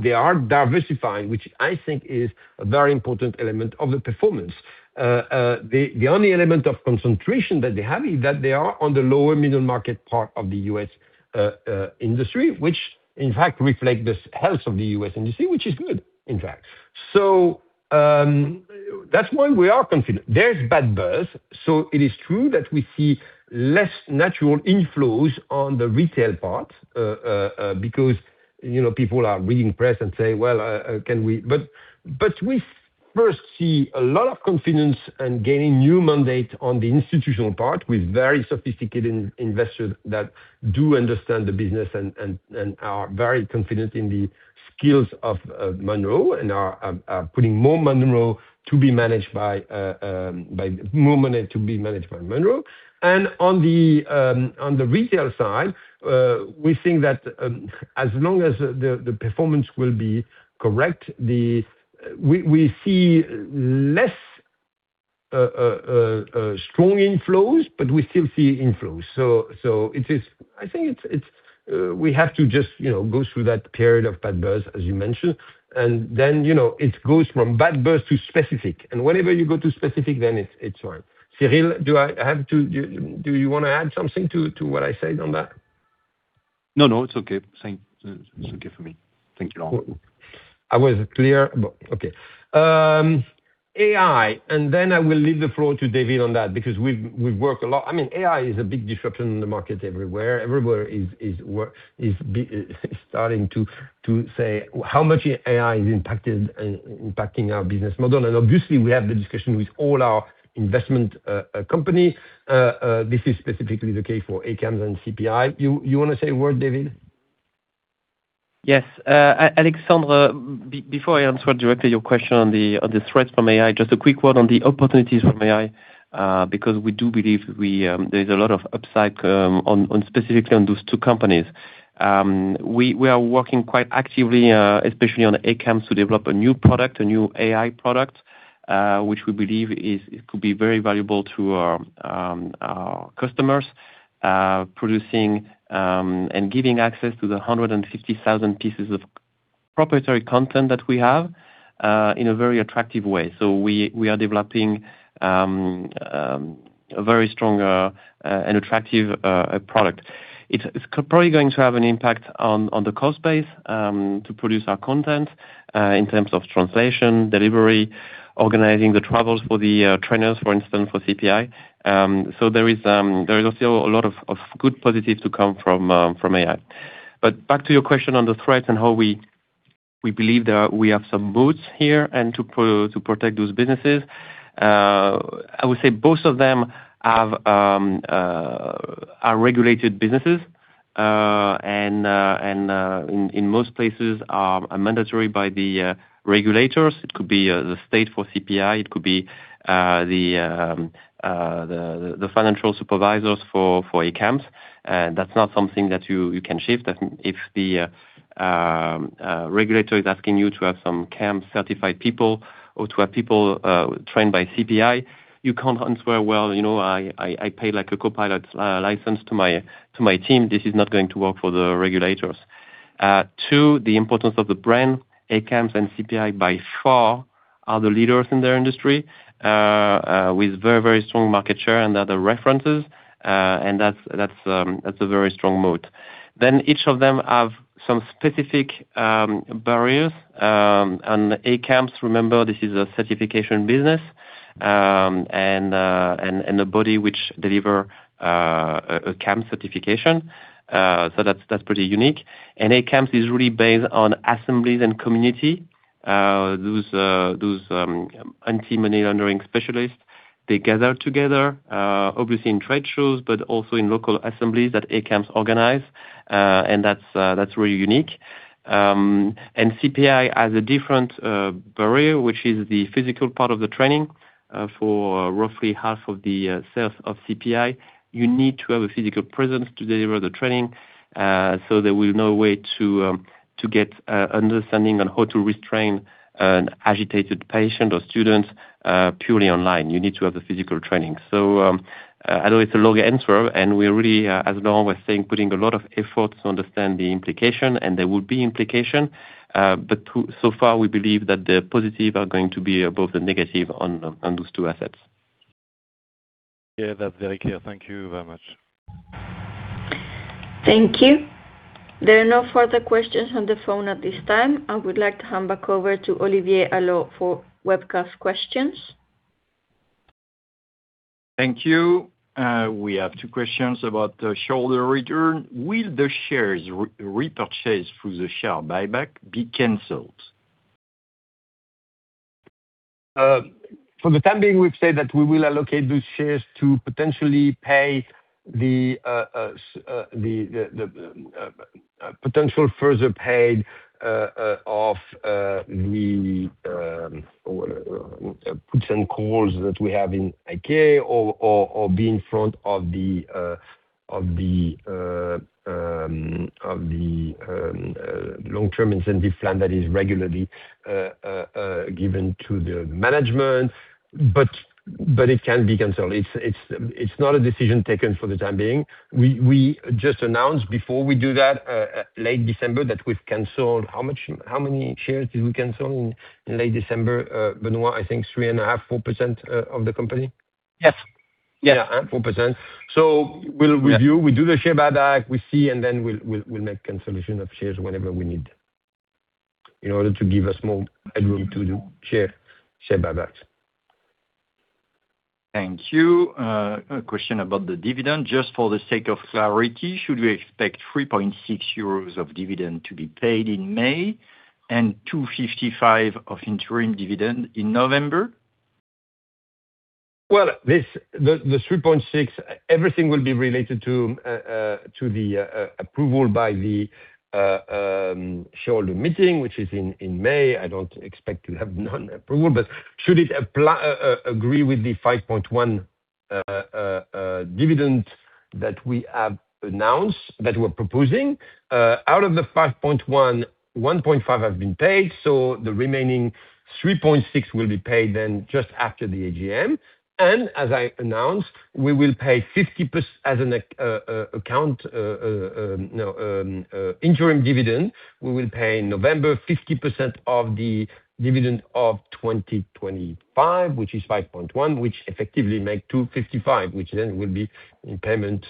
Speaker 5: They are diversifying, which I think is a very important element of the performance. The only element of concentration that they have, is that they are on the lower middle market part of the U.S. industry, which in fact reflect the health of the U.S. industry, which is good, in fact. That's why we are confident. There's bad buzz, so it is true that we see less natural inflows on the retail part, because, you know, people are reading press and say. We first see a lot of confidence in gaining new mandate on the institutional part, with very sophisticated investors that do understand the business and are very confident in the skills of Monroe, and are putting more Monroe to be managed by more money to be managed by Monroe. On the retail side, we think that, as long as the performance will be correct, we see less strong inflows, but we still see inflows. It is, I think it's, we have to just, you know, go through that period of bad buzz, as you mentioned, and then, you know, it goes from bad buzz to specific, and whenever you go to specific, then it's all right. Cyril, do you wanna add something to what I said on that?
Speaker 3: No, no, it's okay. Same, it's okay for me. Thank you all.
Speaker 5: I was clear? Okay. AI, then I will leave the floor to David on that, because we've worked a lot. I mean, AI is a big disruption in the market everywhere. Everywhere is starting to say how much AI has impacted and impacting our business model. Obviously we have the discussion with all our investment company. This is specifically the case for ACAMS and CPI. You wanna say a word, David?
Speaker 2: Yes. Alexandre, before I answer directly your question on the threats from AI, just a quick word on the opportunities from AI, because we do believe we, there's a lot of upside, on specifically on those two companies. We are working quite actively, especially on ACAMS, to develop a new product, a new AI product, which we believe is, it could be very valuable to our customers. Producing and giving access to the 150,000 pieces of proprietary content that we have, in a very attractive way. We are developing a very strong and attractive product. It's probably going to have an impact on the cost base to produce our content in terms of translation, delivery, organizing the travels for the trainers, for instance, for CPI. There is also a lot of good positives to come from AI. Back to your question on the threats and how we believe that we have some moats here, and to protect those businesses. I would say both of them have regulated businesses. In most places, are mandatory by the regulators. It could be the state for CPI, it could be the financial supervisors for ACAMS. That's not something that you can shift. If the regulator is asking you to have some CAMS certified people, or to have people trained by CPI, you can't answer, "Well, you know, I paid, like, a Copilot license to my team." This is not going to work for the regulators. 2. The importance of the brand. ACAMS and CPI, by far, are the leaders in their industry with very, very strong market share and other references. That's a very strong moat. Each of them have some specific barriers. ACAMS, remember, this is a certification business and a body which deliver a CAMS certification. That's pretty unique. ACAMS is really based on assemblies and community. Those anti-money laundering specialists, they gather together, obviously in trade shows, but also in local assemblies that ACAMS organize, and that's really unique. CPI has a different barrier, which is the physical part of the training. For roughly half of the sales of CPI, you need to have a physical presence to deliver the training. There will no way to get understanding on how to restrain an agitated patient or student, purely online. You need to have the physical training. I know it's a long answer, and we're really as long as saying, putting a lot of effort to understand the implication, and there will be implication. So far, we believe that the positive are going to be above the negative on those two assets.
Speaker 7: Yeah, that's very clear. Thank you very much.
Speaker 1: Thank you. There are no further questions on the phone at this time. I would like to hand back over to Olivier Allot for webcast questions.
Speaker 8: Thank you. We have two questions about the shareholder return. Will the shares repurchased through the share buyback be canceled?
Speaker 5: For the time being, we've said that we will allocate those shares to potentially pay the potential further paid of the or puts and calls that we have in IK, or be in front of the long-term incentive plan that is regularly given to the management. It can be canceled. It's not a decision taken for the time being. We just announced before we do that late December, that we've canceled. How much, how many shares did we cancel in late December, Benoît? I think 3.5%, 4% of the company?
Speaker 4: Yes.
Speaker 5: Yeah. 4%. we'll review-
Speaker 4: Yeah.
Speaker 5: We do the share buyback, we see, and then we'll make cancellation of shares whenever we need, in order to give us more headroom to do share buybacks.
Speaker 8: Thank you. A question about the dividend. Just for the sake of clarity, should we expect 3.6 euros of dividend to be paid in May, and 2.55 of interim dividend in November?
Speaker 5: Well, this, the 3.6, everything will be related to the approval by the shareholder meeting, which is in May. I don't expect to have not approval, but should it apply, agree with the 5.1 dividend that we have announced, that we're proposing, out of the 5.1.5 has been paid, so the remaining 3.6 will be paid then just after the AGM. As I announced, we will pay 50% as an account, no, interim dividend, we will pay in November, 50% of the dividend of 2025, which is 5.1, which effectively make 2.55, which then will be in payment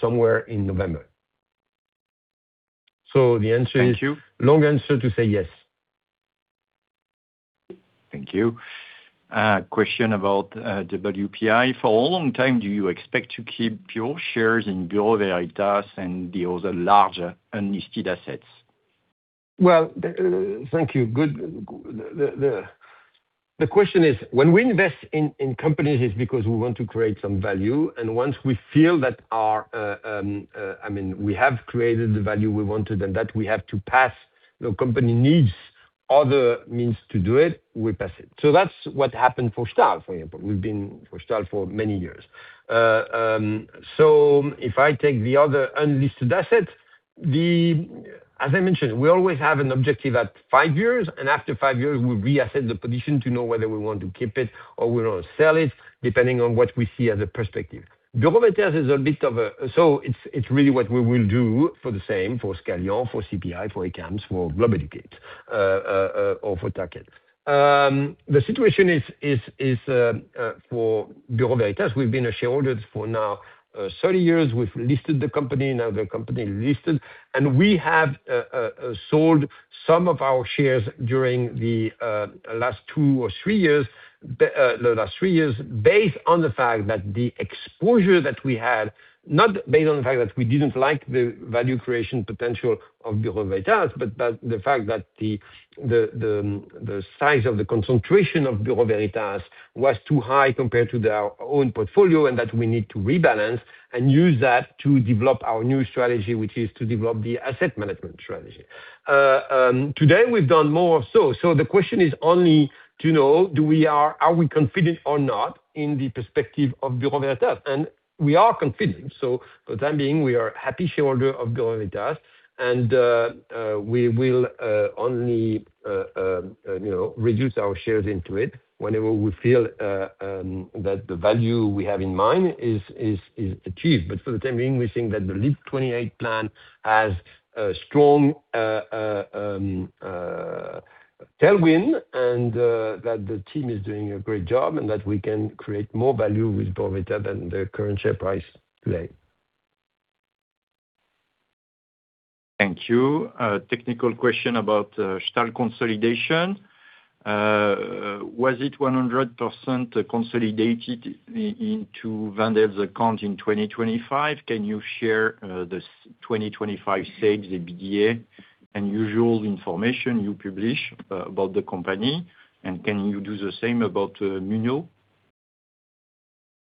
Speaker 5: somewhere in November. The answer is.
Speaker 8: Thank you.
Speaker 5: Long answer to say yes.
Speaker 8: Thank you. Question about WPI. For how long time do you expect to keep your shares in Bureau Veritas and the other larger unlisted assets?
Speaker 5: Well, thank you. Good. The question is, when we invest in companies, it's because we want to create some value, and once we feel that our, I mean, we have created the value we wanted, and that we have to pass, the company needs other means to do it, we pass it. That's what happened for Stahl, for example. We've been for Stahl for many years. If I take the other unlisted asset. As I mentioned, we always have an objective at five years, and after five years, we reassess the position to know whether we want to keep it or we wanna sell it, depending on what we see as a perspective. Bureau Veritas is a bit of. So it's really what we will do for the same, for Scalian, for CPI, for ACAMS, for Globeducate, or for Tarkett. The situation is for Bureau Veritas, we've been a shareholder for now, 30 years. We've listed the company, now the company listed, we have sold some of our shares during the last two or three years, the last three years, based on the fact that the exposure that we had, not based on the fact that we didn't like the value creation potential of Bureau Veritas, but that the fact that the size of the concentration of Bureau Veritas was too high compared to their own portfolio, and that we need to rebalance and use that to develop our new strategy, which is to develop the asset management strategy. Today, we've done more so the question is only to know, are we confident or not in the perspective of Bureau Veritas? We are confident. For the time being, we are happy shareholder of Bureau Veritas, and we will only, you know, reduce our shares into it whenever we feel that the value we have in mind is achieved. For the time being, we think that the Lead 28 plan has a strong tailwind, and that the team is doing a great job, and that we can create more value with Bureau Veritas than the current share price today.
Speaker 8: Thank you. Technical question about Stahl consolidation. Was it 100% consolidated into Wendel's account in 2025? Can you share the 2025 sales, the EBITDA, and usual information you publish about the company? Can you do the same about Monroe?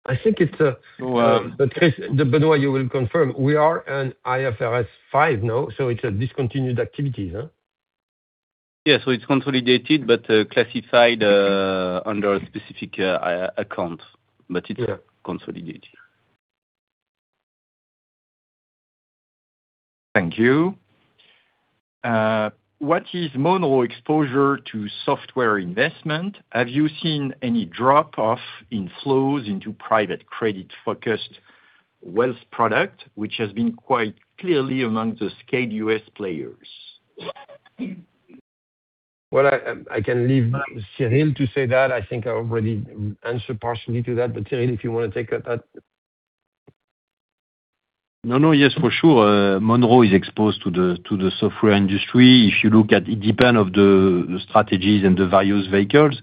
Speaker 5: I think it's, but you will confirm, we are an IFRS 5 now, so it's a discontinued activity, huh?
Speaker 3: Yes, it's consolidated, but classified under a specific account.
Speaker 5: Yeah.
Speaker 3: Consolidated.
Speaker 8: Thank you. What is Monroe exposure to software investment? Have you seen any drop-off in flows into private credit-focused wealth product, which has been quite clearly among the scaled U.S. players?
Speaker 5: I can leave Cyril to say that. I think I already answered partially to that, but Cyril, if you wanna take that.
Speaker 3: No, no. Yes, for sure, Monroe is exposed to the, to the software industry. If you look at. It depend on the strategies and the various vehicles.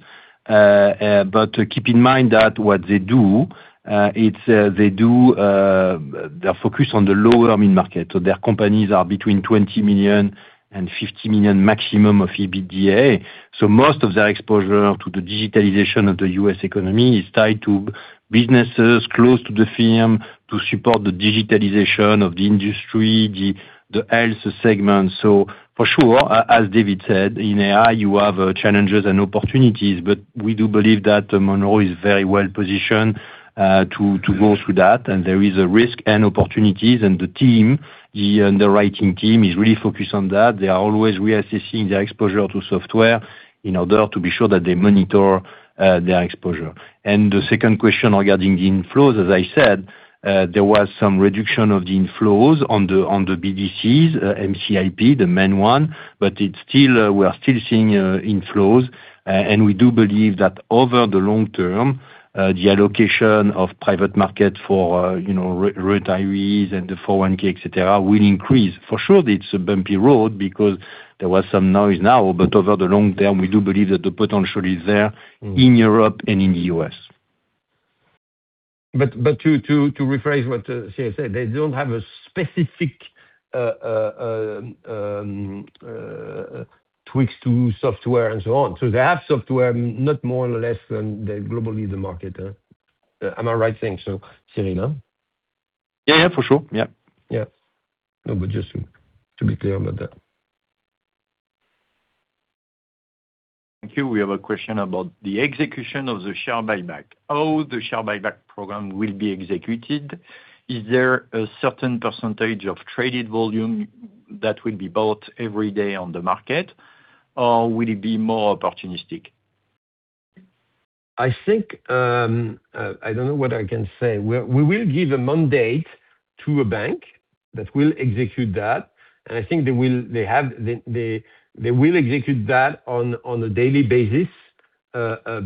Speaker 3: Keep in mind that what they do, it's they do, they're focused on the lower mid-market, their companies are between 20 million and 50 million maximum of EBITDA. Most of their exposure to the digitalization of the U.S. economy is tied to businesses close to the firm, to support the digitalization of the industry, the health segment. For sure, as David said, in AI, you have challenges and opportunities, we do believe that Monroe is very well positioned to go through that. There is a risk and opportunities, the team, the underwriting team, is really focused on that. They are always reassessing their exposure to software in order to be sure that they monitor their exposure. The second question regarding the inflows, as I said, there was some reduction of the inflows on the BDCs, MCIP, the main one, but it's still, we are still seeing inflows. We do believe that over the long term, the allocation of private market for, you know, retirees and the 401(k), et cetera, will increase. For sure, it's a bumpy road because there was some noise now, but over the long term, we do believe that the potential is there in Europe and in the U.S.
Speaker 5: To rephrase what Cyril said, they don't have a specific tweaks to software and so on. They have software, not more or less than the globally the market. Am I right saying so, Cyril?
Speaker 3: Yeah, yeah, for sure. Yeah.
Speaker 5: Yeah. No, just to be clear about that.
Speaker 8: Thank you. We have a question about the execution of the share buyback. How the share buyback program will be executed? Is there a certain percentage of traded volume that will be bought every day on the market, or will it be more opportunistic?
Speaker 5: I think, I don't know what I can say. We will give a mandate to a bank that will execute that, and I think they will execute that on a daily basis,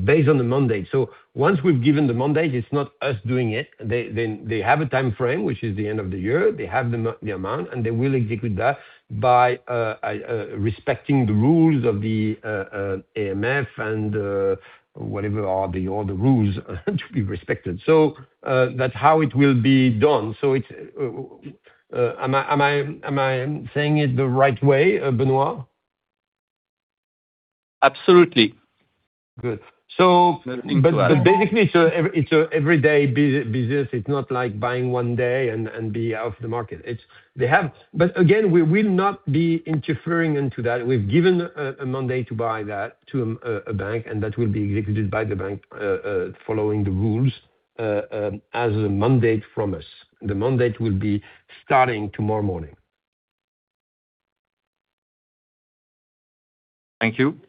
Speaker 5: based on the mandate. Once we've given the mandate, it's not us doing it. They have a time frame, which is the end of the year. They have the amount, and they will execute that by respecting the rules of the AMF and whatever are the, all the rules, to be respected. That's how it will be done. It's, am I saying it the right way, Benoît?
Speaker 4: Absolutely.
Speaker 5: Good.
Speaker 3: Nothing to add.
Speaker 5: Basically, it's a everyday business. It's not like buying one day and be out of the market. They have. Again, we will not be interfering into that. We've given a mandate to buy that to a bank, and that will be executed by the bank, following the rules as a mandate from us. The mandate will be starting tomorrow morning.
Speaker 8: Thank you.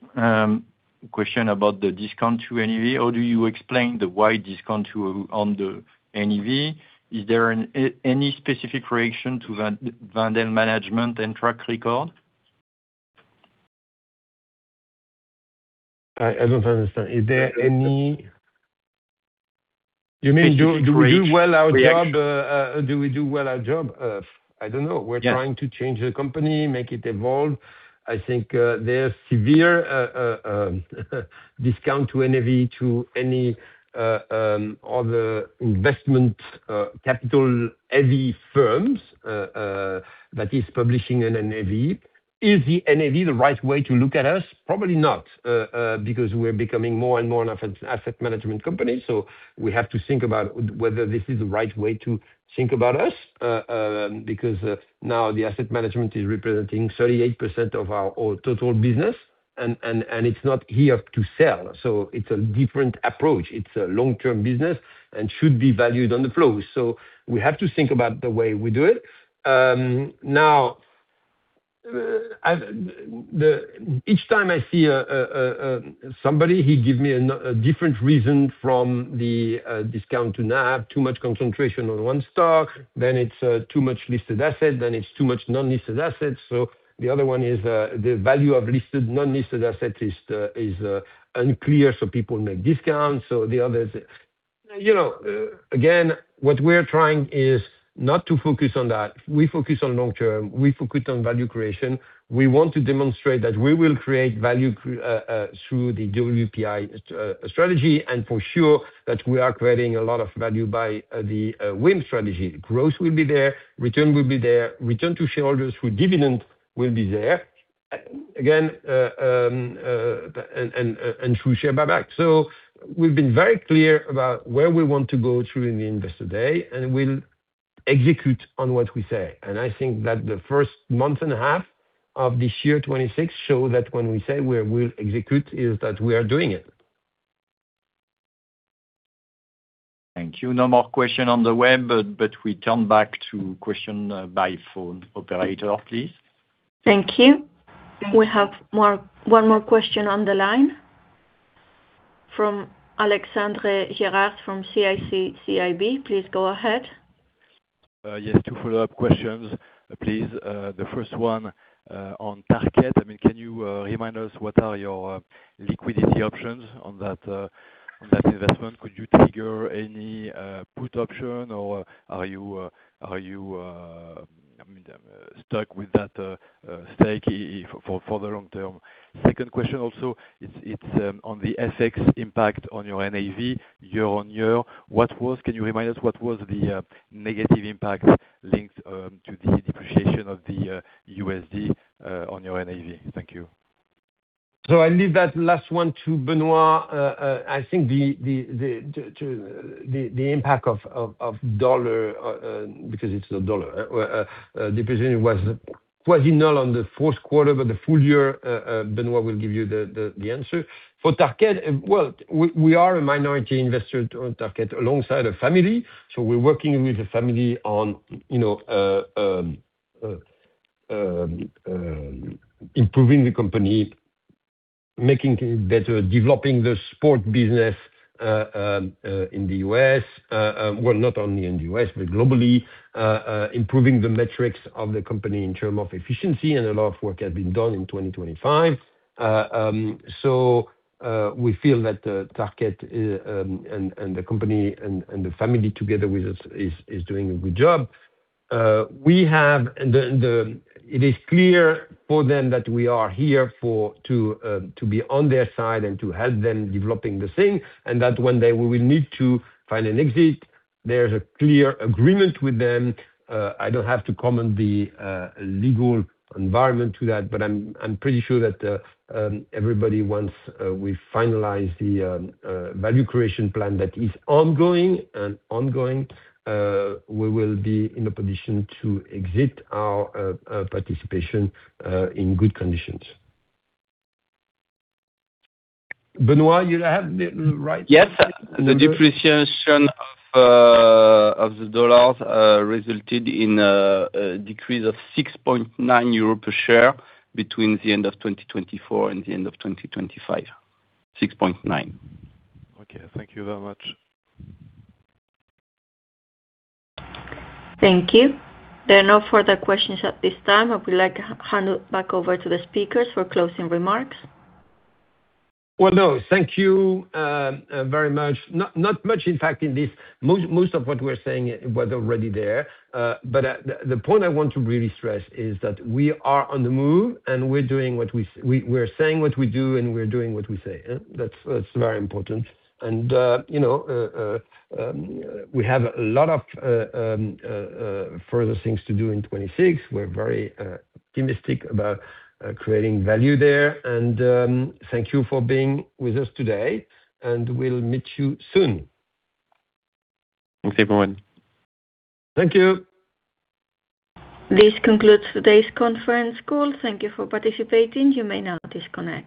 Speaker 8: Question about the discount to NAV. How do you explain the wide discount to, on the NAV? Is there any specific reaction to Wendel management and track record?
Speaker 5: I don't understand. You mean, do we do well our job? I don't know.
Speaker 8: Yeah.
Speaker 5: We're trying to change the company, make it evolve. I think, there are severe discount to NAV, to any other investment, capital-heavy firms, that is publishing an NAV. Is the NAV the right way to look at us? Probably not, because we're becoming more and more an asset management company, we have to think about whether this is the right way to think about us, because now the asset management is representing 38% of our all total business, and it's not here to sell, it's a different approach. It's a long-term business and should be valued on the flow. We have to think about the way we do it. Now, Each time I see somebody, he give me a different reason from the discount to NAV. Too much concentration on one stock, then it's too much listed asset, then it's too much non-listed assets, so the other one is the value of listed, non-listed asset is unclear, so people make discounts. The other is, you know, again, what we're trying is not to focus on that. We focus on long-term, we focus on value creation. We want to demonstrate that we will create value through the WPI strategy, and for sure, that we are creating a lot of value by the Wendel strategy. Growth will be there, return will be there, return to shareholders with dividend will be there. Again, and through share buyback. We've been very clear about where we want to go through in the Investor Day, and we'll execute on what we say. I think that the first month and a half of this year 2026, show that when we say we'll execute, is that we are doing it.
Speaker 8: Thank you. No more question on the web, but we turn back to question by phone. Operator, please.
Speaker 1: Thank you. We have more, one more question on the line from Alexandre Gérard, from CIC. Please go ahead.
Speaker 7: Yes, Two follow-up questions, please. The first one, on Tarkett. I mean, can you remind us, what are your liquidity options on that on that investment? Could you trigger any put option or are you, I mean, stuck with that stake for the long term? Second question also, it's on the FX impact on your NAV year-on-year, what was? Can you remind us, what was the negative impact linked to the depreciation of the USD on your NAV? Thank you.
Speaker 5: I'll leave that last one to Benoît Drillaud. I think the impact of dollar depreciation was quasi null on the fourth quarter, the full year Benoît Drillaud will give you the answer. For Tarkett, well, we are a minority investor on Tarkett, alongside a family. We're working with the family on, you know, improving the company, making things better, developing the sport business in the U.S., well, not only in the U.S., but globally. Improving the metrics of the company in term of efficiency, a lot of work has been done in 2025. We feel that Tarkett and the company and the family together with us, is doing a good job. We have the, it is clear for them that we are here for, to be on their side and to help them developing the thing, and that when they will need to find an exit, there's a clear agreement with them. I don't have to comment the legal environment to that, but I'm pretty sure that everybody, once we finalize the value creation plan that is ongoing, we will be in a position to exit our participation in good conditions. Benoît, you have the right?
Speaker 4: Yes. The depreciation of the dollars resulted in a decrease of 6.9 euro per share between the end of 2024 and the end of 2025. 6.9.
Speaker 7: Okay. Thank you very much.
Speaker 1: Thank you. There are no further questions at this time. I would like to hand it back over to the speakers for closing remarks.
Speaker 5: Well, no, thank you, very much. Not much in fact, in this most of what we're saying was already there. The point I want to really stress, is that we are on the move, and we're doing what we're saying what we do, and we're doing what we say. That's very important. You know, we have a lot of further things to do in 2026. We're very optimistic about creating value there. Thank you for being with us today, and we'll meet you soon.
Speaker 8: Thanks, everyone.
Speaker 5: Thank you.
Speaker 1: This concludes today's conference call. Thank you for participating. You may now disconnect.